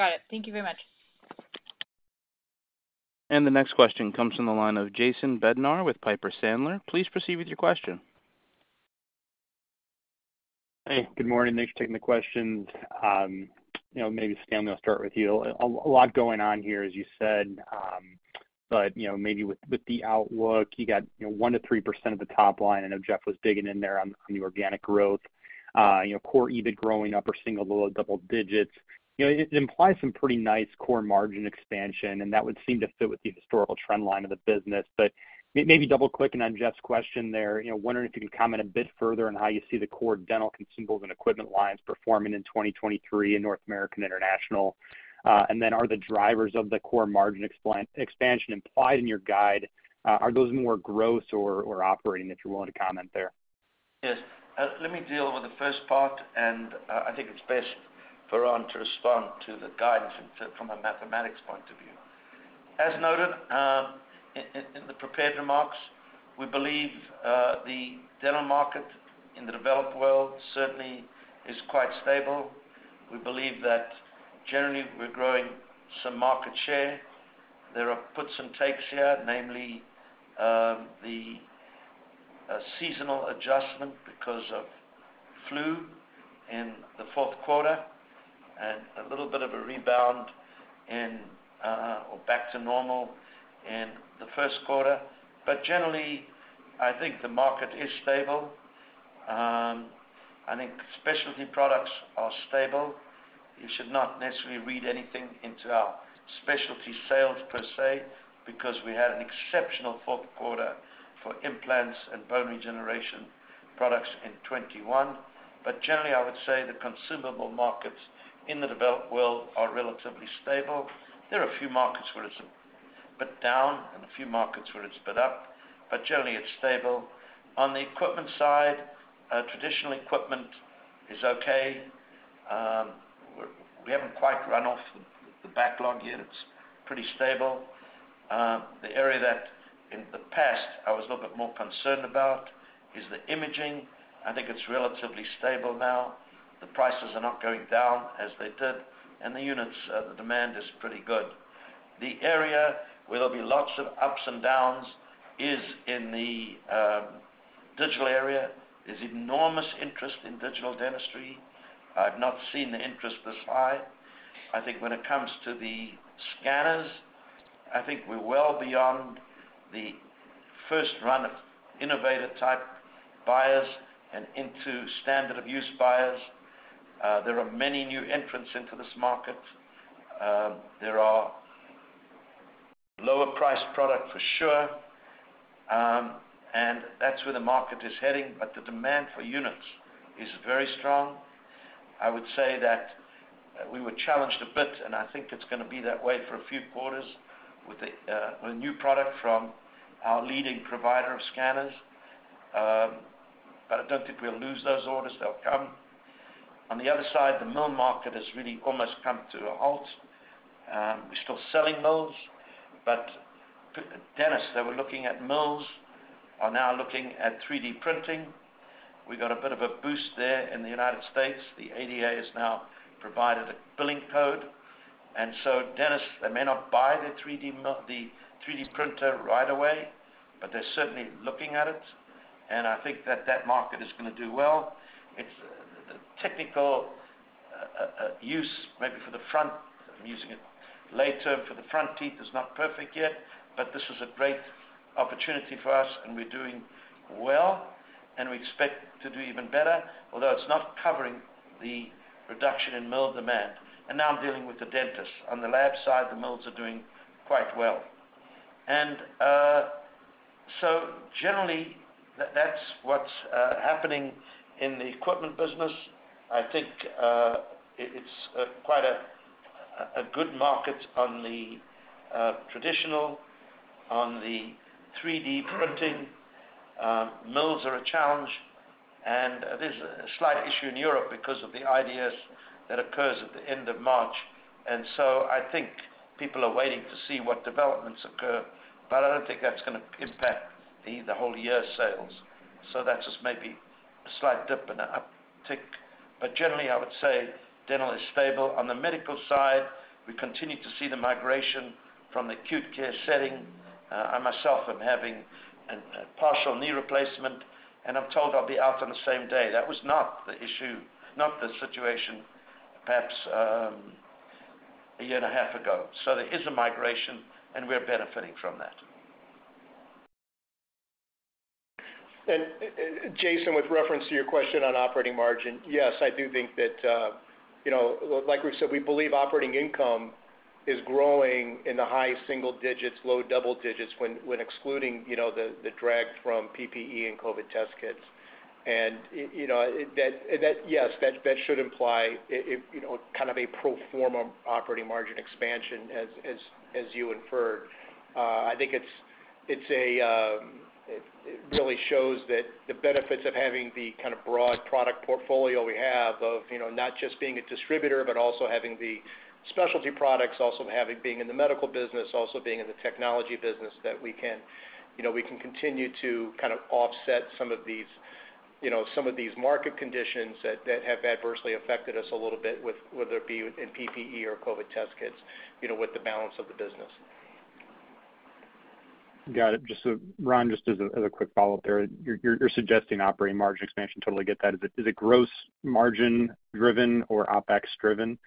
Got it. Thank you very much. The next question comes from the line of Jason Bednar with Piper Sandler. Please proceed with your question. Hey, good morning. Thanks for taking the questions. You know, maybe, Stan, I'll start with you. A lot going on here, as you said. You know, maybe with the outlook, you got, you know, 1%-3% of the top line. I know Jeff was digging in there on the organic growth. You know, core EBIT growing upper single, low double digits. You know, it implies some pretty nice core margin expansion, and that would seem to fit with the historical trend line of the business. Maybe double-clicking on Jeff's question there, you know, wondering if you can comment a bit further on how you see the core dental consumables and equipment lines performing in 2023 in North American International. Are the drivers of the core margin expansion implied in your guide, are those more gross or operating, if you're willing to comment there? Yes. Let me deal with the first part. I think it's best for Ron to respond to the guidance from a mathematics point of view. As noted, in the prepared remarks, we believe the dental market in the developed world certainly is quite stable. We believe that generally we're growing some market share. There are puts and takes here, namely, the seasonal adjustment because of flu in the fourth quarter and a little bit of a rebound in or back to normal in the first quarter. Generally, I think the market is stable. I think specialty products are stable. You should not necessarily read anything into our specialty sales per se, because we had an exceptional fourth quarter for implants and bone regeneration products in 2021. Generally, I would say the consumable markets in the developed world are relatively stable. There are a few markets where it's a bit down and a few markets where it's a bit up, generally it's stable. On the equipment side, traditional equipment is okay. We haven't quite run off the backlog yet. It's pretty stable. The area that in the past I was a little bit more concerned about is the imaging. I think it's relatively stable now. The prices are not going down as they did, the units, the demand is pretty good. The area where there'll be lots of ups and downs is in the digital area. There's enormous interest in digital dentistry. I've not seen the interest this high. When it comes to the scanners, I think we're well beyond the first run of innovative type buyers and into standard of use buyers. There are many new entrants into this market. There are lower priced product for sure, and that's where the market is heading, but the demand for units is very strong. I would say that we were challenged a bit, and I think it's going to be that way for a few quarters with the, with a new product from our leading provider of scanners. I don't think we'll lose those orders. They'll come. On the other side, the mill market has really almost come to a halt. We're still selling mills, dentists that were looking at mills are now looking at 3D printing. We got a bit of a boost there in the United States. The ADA has now provided a billing code. Dentists, they may not buy the 3D printer right away, but they're certainly looking at it. I think that that market is going to do well. It's technical use maybe for the front, I'm using a lay term, for the front teeth is not perfect yet, but this is a great opportunity for us, and we're doing well, and we expect to do even better, although it's not covering the reduction in mill demand. I'm dealing with the dentist. On the lab side, the mills are doing quite well. Generally that's what's happening in the equipment business. I think it's quite a good market on the traditional, on the 3D printing. mills are a challenge. There's a slight issue in Europe because of the IDS that occurs at the end of March. I think people are waiting to see what developments occur, but I don't think that's going to impact the whole year sales. That's just maybe a slight dip and a uptick. Generally, I would say dental is stable. On the medical side, we continue to see the migration from the acute care setting. I myself am having a partial knee replacement, and I'm told I'll be out on the same day. That was not the issue, not the situation perhaps, a year and a half ago. There is a migration, and we're benefiting from that. Jason, with reference to your question on operating margin, yes, I do think that, you know, like we've said, we believe operating income is growing in the high single digits, low double digits when excluding, you know, the drag from PPE and COVID test kits. You know, that, yes, that should imply, if, you know, kind of a pro forma operating margin expansion as you inferred. I think it really shows that the benefits of having the kind of broad product portfolio we have of, you know, not just being a distributor, but also having the specialty products, also being in the medical business, also being in the technology business, that we can, you know, we can continue to kind of offset some of these, you know, some of these market conditions that have adversely affected us a little bit with, whether it be in PPE or COVID test kits, you know, with the balance of the business. Got it. Just, Ron, just as a quick follow-up there. You're suggesting operating margin expansion. Totally get that. Is it gross margin driven or OpEx driven?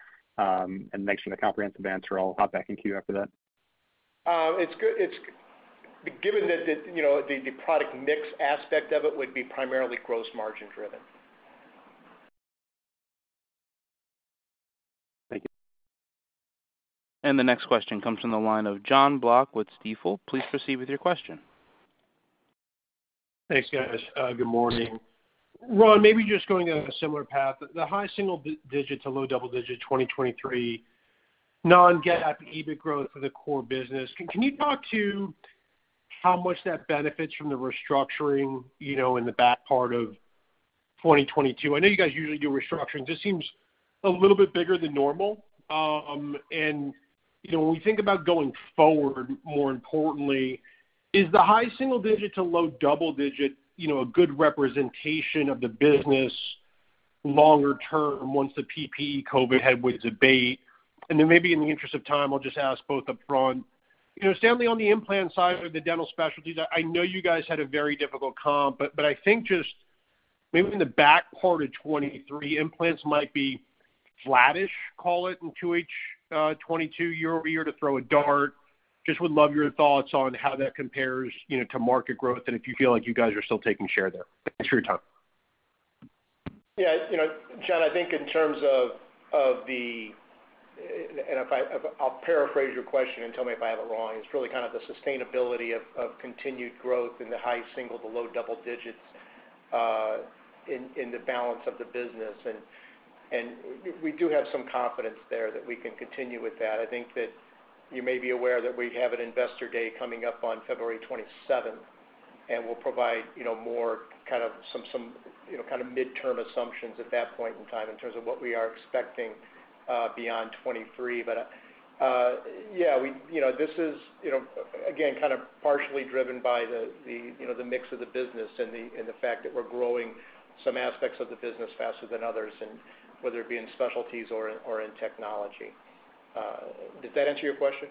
Make sure the comprehensive answer, I'll hop back in queue after that. Given that the, you know, the product mix aspect of it would be primarily gross margin driven. Thank you. The next question comes from the line of Jon Block with Stifel. Please proceed with your question. Thanks, guys. Good morning. Ron, maybe just going on a similar path, the high single-digit to low double-digit 2023 non-GAAP EBIT growth for the core business. Can you talk to how much that benefits from the restructuring, you know, in the back part of 2022? I know you guys usually do restructurings. This seems a little bit bigger than normal. You know, when we think about going forward, more importantly, is the high single-digit to low double-digit, you know, a good representation of the business longer term once the PPE COVID headwinds abate. Then maybe in the interest of time, I'll just ask both up front. You know, Stanley, on the implant side of the dental specialties, I know you guys had a very difficult comp, but I think just maybe in the back part of 2023, implants might be flattish, call it, in Q1, 2022 year-over-year to throw a dart. Just would love your thoughts on how that compares, you know, to market growth and if you feel like you guys are still taking share there? Thanks for your time. Yeah. You know, Jon, I think in terms of. I'll paraphrase your question and tell me if I have it wrong. It's really kind of the sustainability of continued growth in the high single to low double digits in the balance of the business. We do have some confidence there that we can continue with that. I think that you may be aware that we have an Investor Day coming up on February 27th, and we'll provide, you know, more kind of some, you know, kind of midterm assumptions at that point in time in terms of what we are expecting beyond 2023. Yeah, we, you know, this is, you know, again, kind of partially driven by the, you know, the mix of the business and the, and the fact that we're growing some aspects of the business faster than others and whether it be in specialties or in technology. Does that answer your question?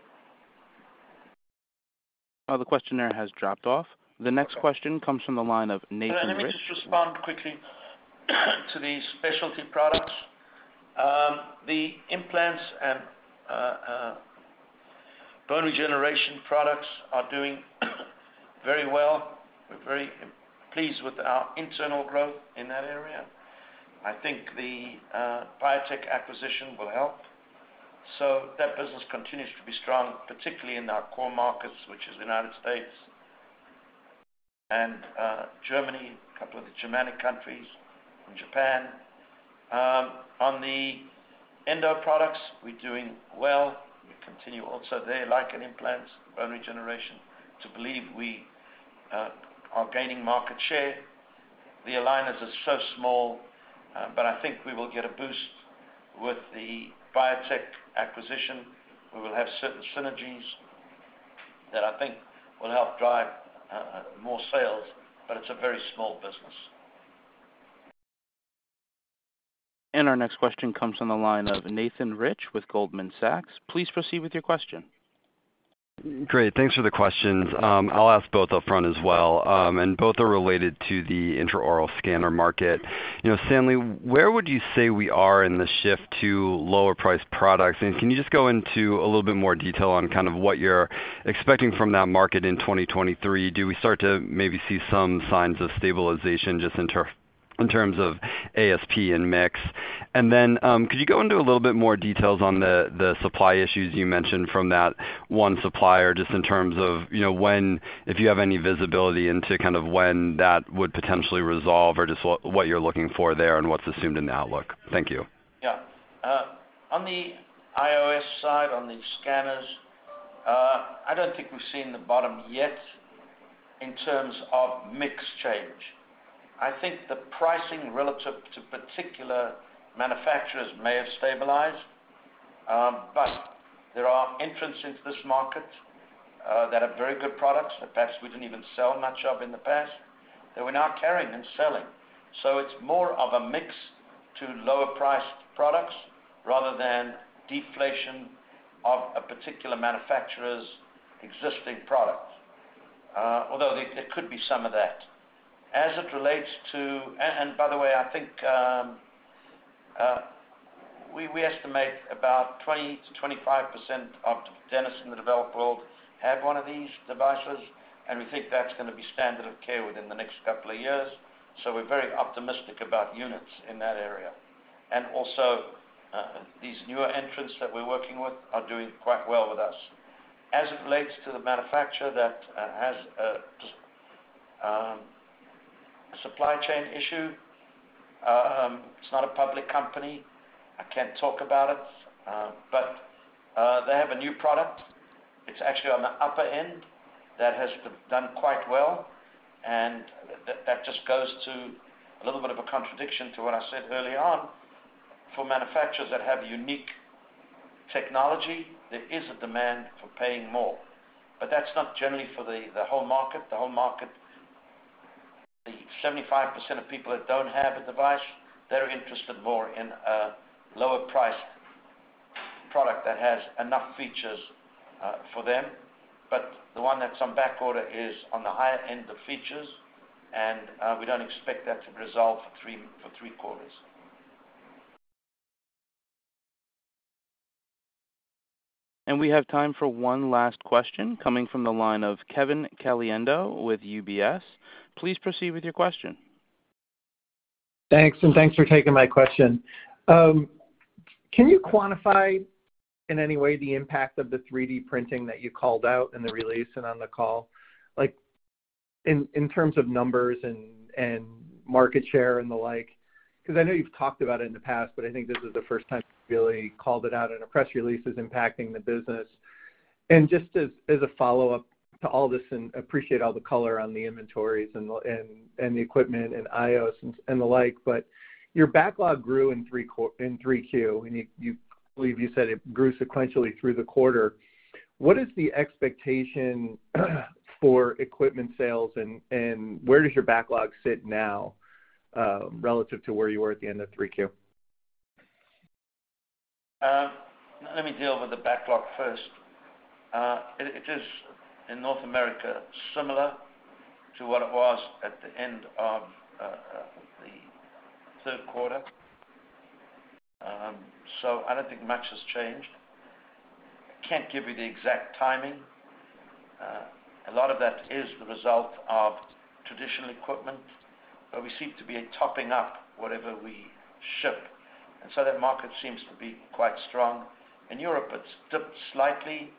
The question there has dropped off. The next question comes from the line of Nathan Rich. Let me just respond quickly to the specialty products. The implants and bone regeneration products are doing very well. We're very pleased with our internal growth in that area. I think the Biotech acquisition will help. That business continues to be strong, particularly in our core markets, which is United States and Germany, a couple of the Germanic countries, and Japan. On the endo products, we're doing well. We continue also there, like in implants, bone regeneration, to believe we are gaining market share. The aligners are so small, but I think we will get a boost with the Biotech acquisition. We will have certain synergies that I think will help drive more sales, but it's a very small business. Our next question comes from the line of Nathan Rich with Goldman Sachs. Please proceed with your question. Great. Thanks for the questions. I'll ask both upfront as well. Both are related to the intraoral scanner market. You know, Stanley, where would you say we are in the shift to lower priced products? Can you just go into a little bit more detail on kind of what you're expecting from that market in 2023? Do we start to maybe see some signs of stabilization just in terms of ASP and mix? Could you go into a little bit more details on the supply issues you mentioned from that one supplier, just in terms of, you know, when if you have any visibility into kind of when that would potentially resolve or just what you're looking for there and what's assumed in the outlook? Thank you. Yeah. On the iOS side, on the scanners, I don't think we've seen the bottom yet in terms of mix change. I think the pricing relative to particular manufacturers may have stabilized, but there are entrants into this market, that have very good products that perhaps we didn't even sell much of in the past, that we're now carrying and selling. It's more of a mix to lower priced products rather than deflation of a particular manufacturer's existing product. Although there could be some of that. By the way, I think we estimate about 20%-25% of dentists in the developed world have one of these devices, and we think that's going to be standard of care within the next two years. We're very optimistic about units in that area. These newer entrants that we're working with are doing quite well with us. As it relates to the manufacturer that has a supply chain issue, it's not a public company. I can't talk about it. They have a new product. It's actually on the upper end that has done quite well. That just goes to a little bit of a contradiction to what I said early on. For manufacturers that have unique technology, there is a demand for paying more. That's not generally for the whole market. The whole market, the 75% of people that don't have a device, they're interested more in a lower-priced product that has enough features for them. The one that's on backorder is on the higher end of features, and we don't expect that to resolve for three quarters. We have time for one last question coming from the line of Kevin Caliendo with UBS. Please proceed with your question. Thanks, and thanks for taking my question. Can you quantify in any way the impact of the 3D printing that you called out in the release and on the call, like, in terms of numbers and market share and the like? Because I know you've talked about it in the past, but I think this is the first time you really called it out in a press release as impacting the business. Just as a follow-up to all this, and appreciate all the color on the inventories and the equipment and iOS and the like, but your backlog grew in 3 Q, and you-- I believe you said it grew sequentially through the quarter. What is the expectation, for equipment sales and where does your backlog sit now, relative to where you were at the end of 3Q? Let me deal with the backlog first. It is in North America, similar to what it was at the end of the third quarter. I don't think much has changed. I can't give you the exact timing. A lot of that is the result of traditional equipment, but we seem to be topping up whatever we ship, and so that market seems to be quite strong. In Europe, it's dipped slightly,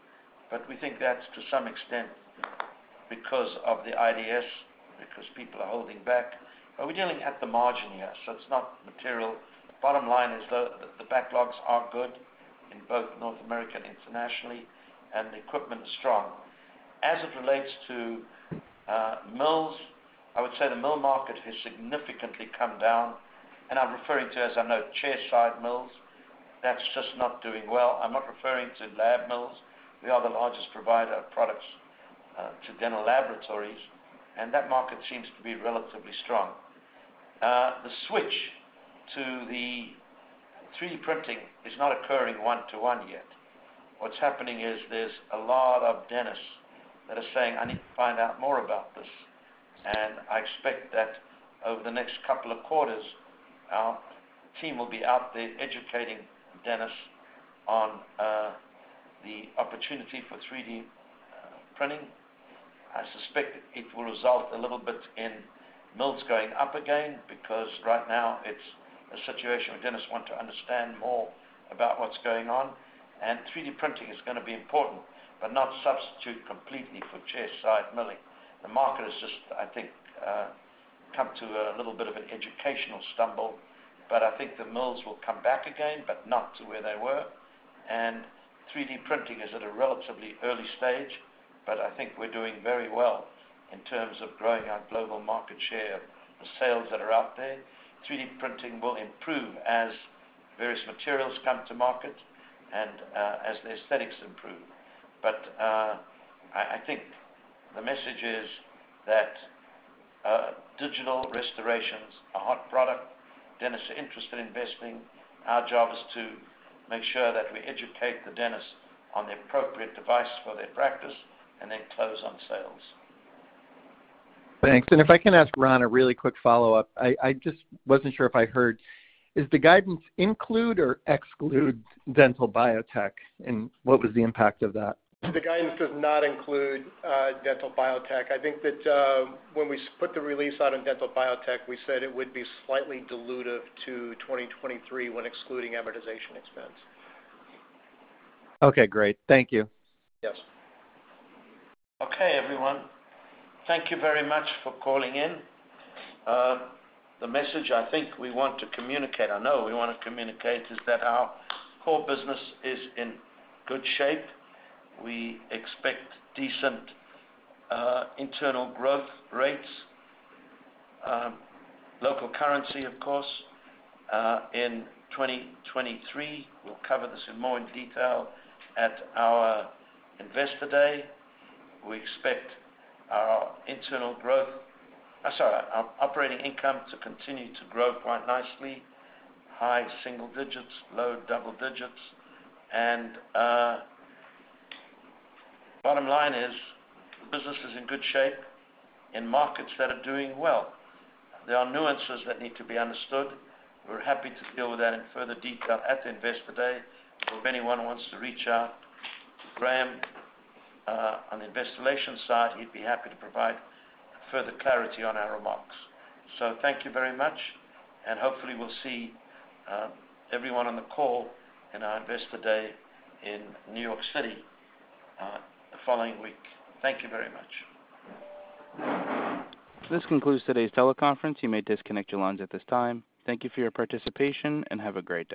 but we think that's to some extent because of the IDS, because people are holding back. We're dealing at the margin here, so it's not material. The bottom line is the backlogs are good in both North America and internationally, and the equipment is strong. As it relates to mills, I would say the mill market has significantly come down, and I'm referring to, as I know, chairside mills. That's just not doing well. I'm not referring to lab mills. We are the largest provider of products to dental laboratories, and that market seems to be relatively strong. The switch to 3D printing is not occurring [1:1] yet. What's happening is there's a lot of dentists that are saying, "I need to find out more about this." I expect that over the next couple of quarters, our team will be out there educating dentists on the opportunity for 3D printing. I suspect it will result a little bit in mills going up again, because right now it's a situation where dentists want to understand more about what's going on. 3D printing is going to be important, but not substitute completely for chairside milling. The market has just, I think, come to a little bit of an educational stumble. I think the mills will come back again, but not to where they were. 3D printing is at a relatively early stage, but I think we're doing very well in terms of growing our global market share. The sales that are out there, 3D printing will improve as various materials come to market and as the aesthetics improve. I think the message is that digital restorations are a hot product. Dentists are interested in investing. Our job is to make sure that we educate the dentist on the appropriate device for their practice and then close on sales. Thanks. If I can ask Ron a really quick follow-up. I just wasn't sure if I heard. Is the guidance include or exclude Dental Biotech, and what was the impact of that? The guidance does not include, Dental Biotech. I think that, when we put the release out on Dental Biotech, we said it would be slightly dilutive to 2023 when excluding amortization expense. Okay, great. Thank you. Yes. Okay, everyone. Thank you very much for calling in. The message I think we want to communicate, I know we want to communicate, is that our core business is in good shape. We expect decent internal growth rates, local currency, of course, in 2023. We'll cover this in more detail at our Investor Day. Our operating income to continue to grow quite nicely, high single digits, low double digits. Bottom line is, the business is in good shape in markets that are doing well. There are nuances that need to be understood. We're happy to deal with that in further detail at the Investor Day. If anyone wants to reach out to Graham, on the investor relations side, he'd be happy to provide further clarity on our remarks. Thank you very much, and hopefully we'll see everyone on the call in our Investor Day in New York City, the following week. Thank you very much. This concludes today's teleconference. You may disconnect your lines at this time. Thank you for your participation, and have a great day.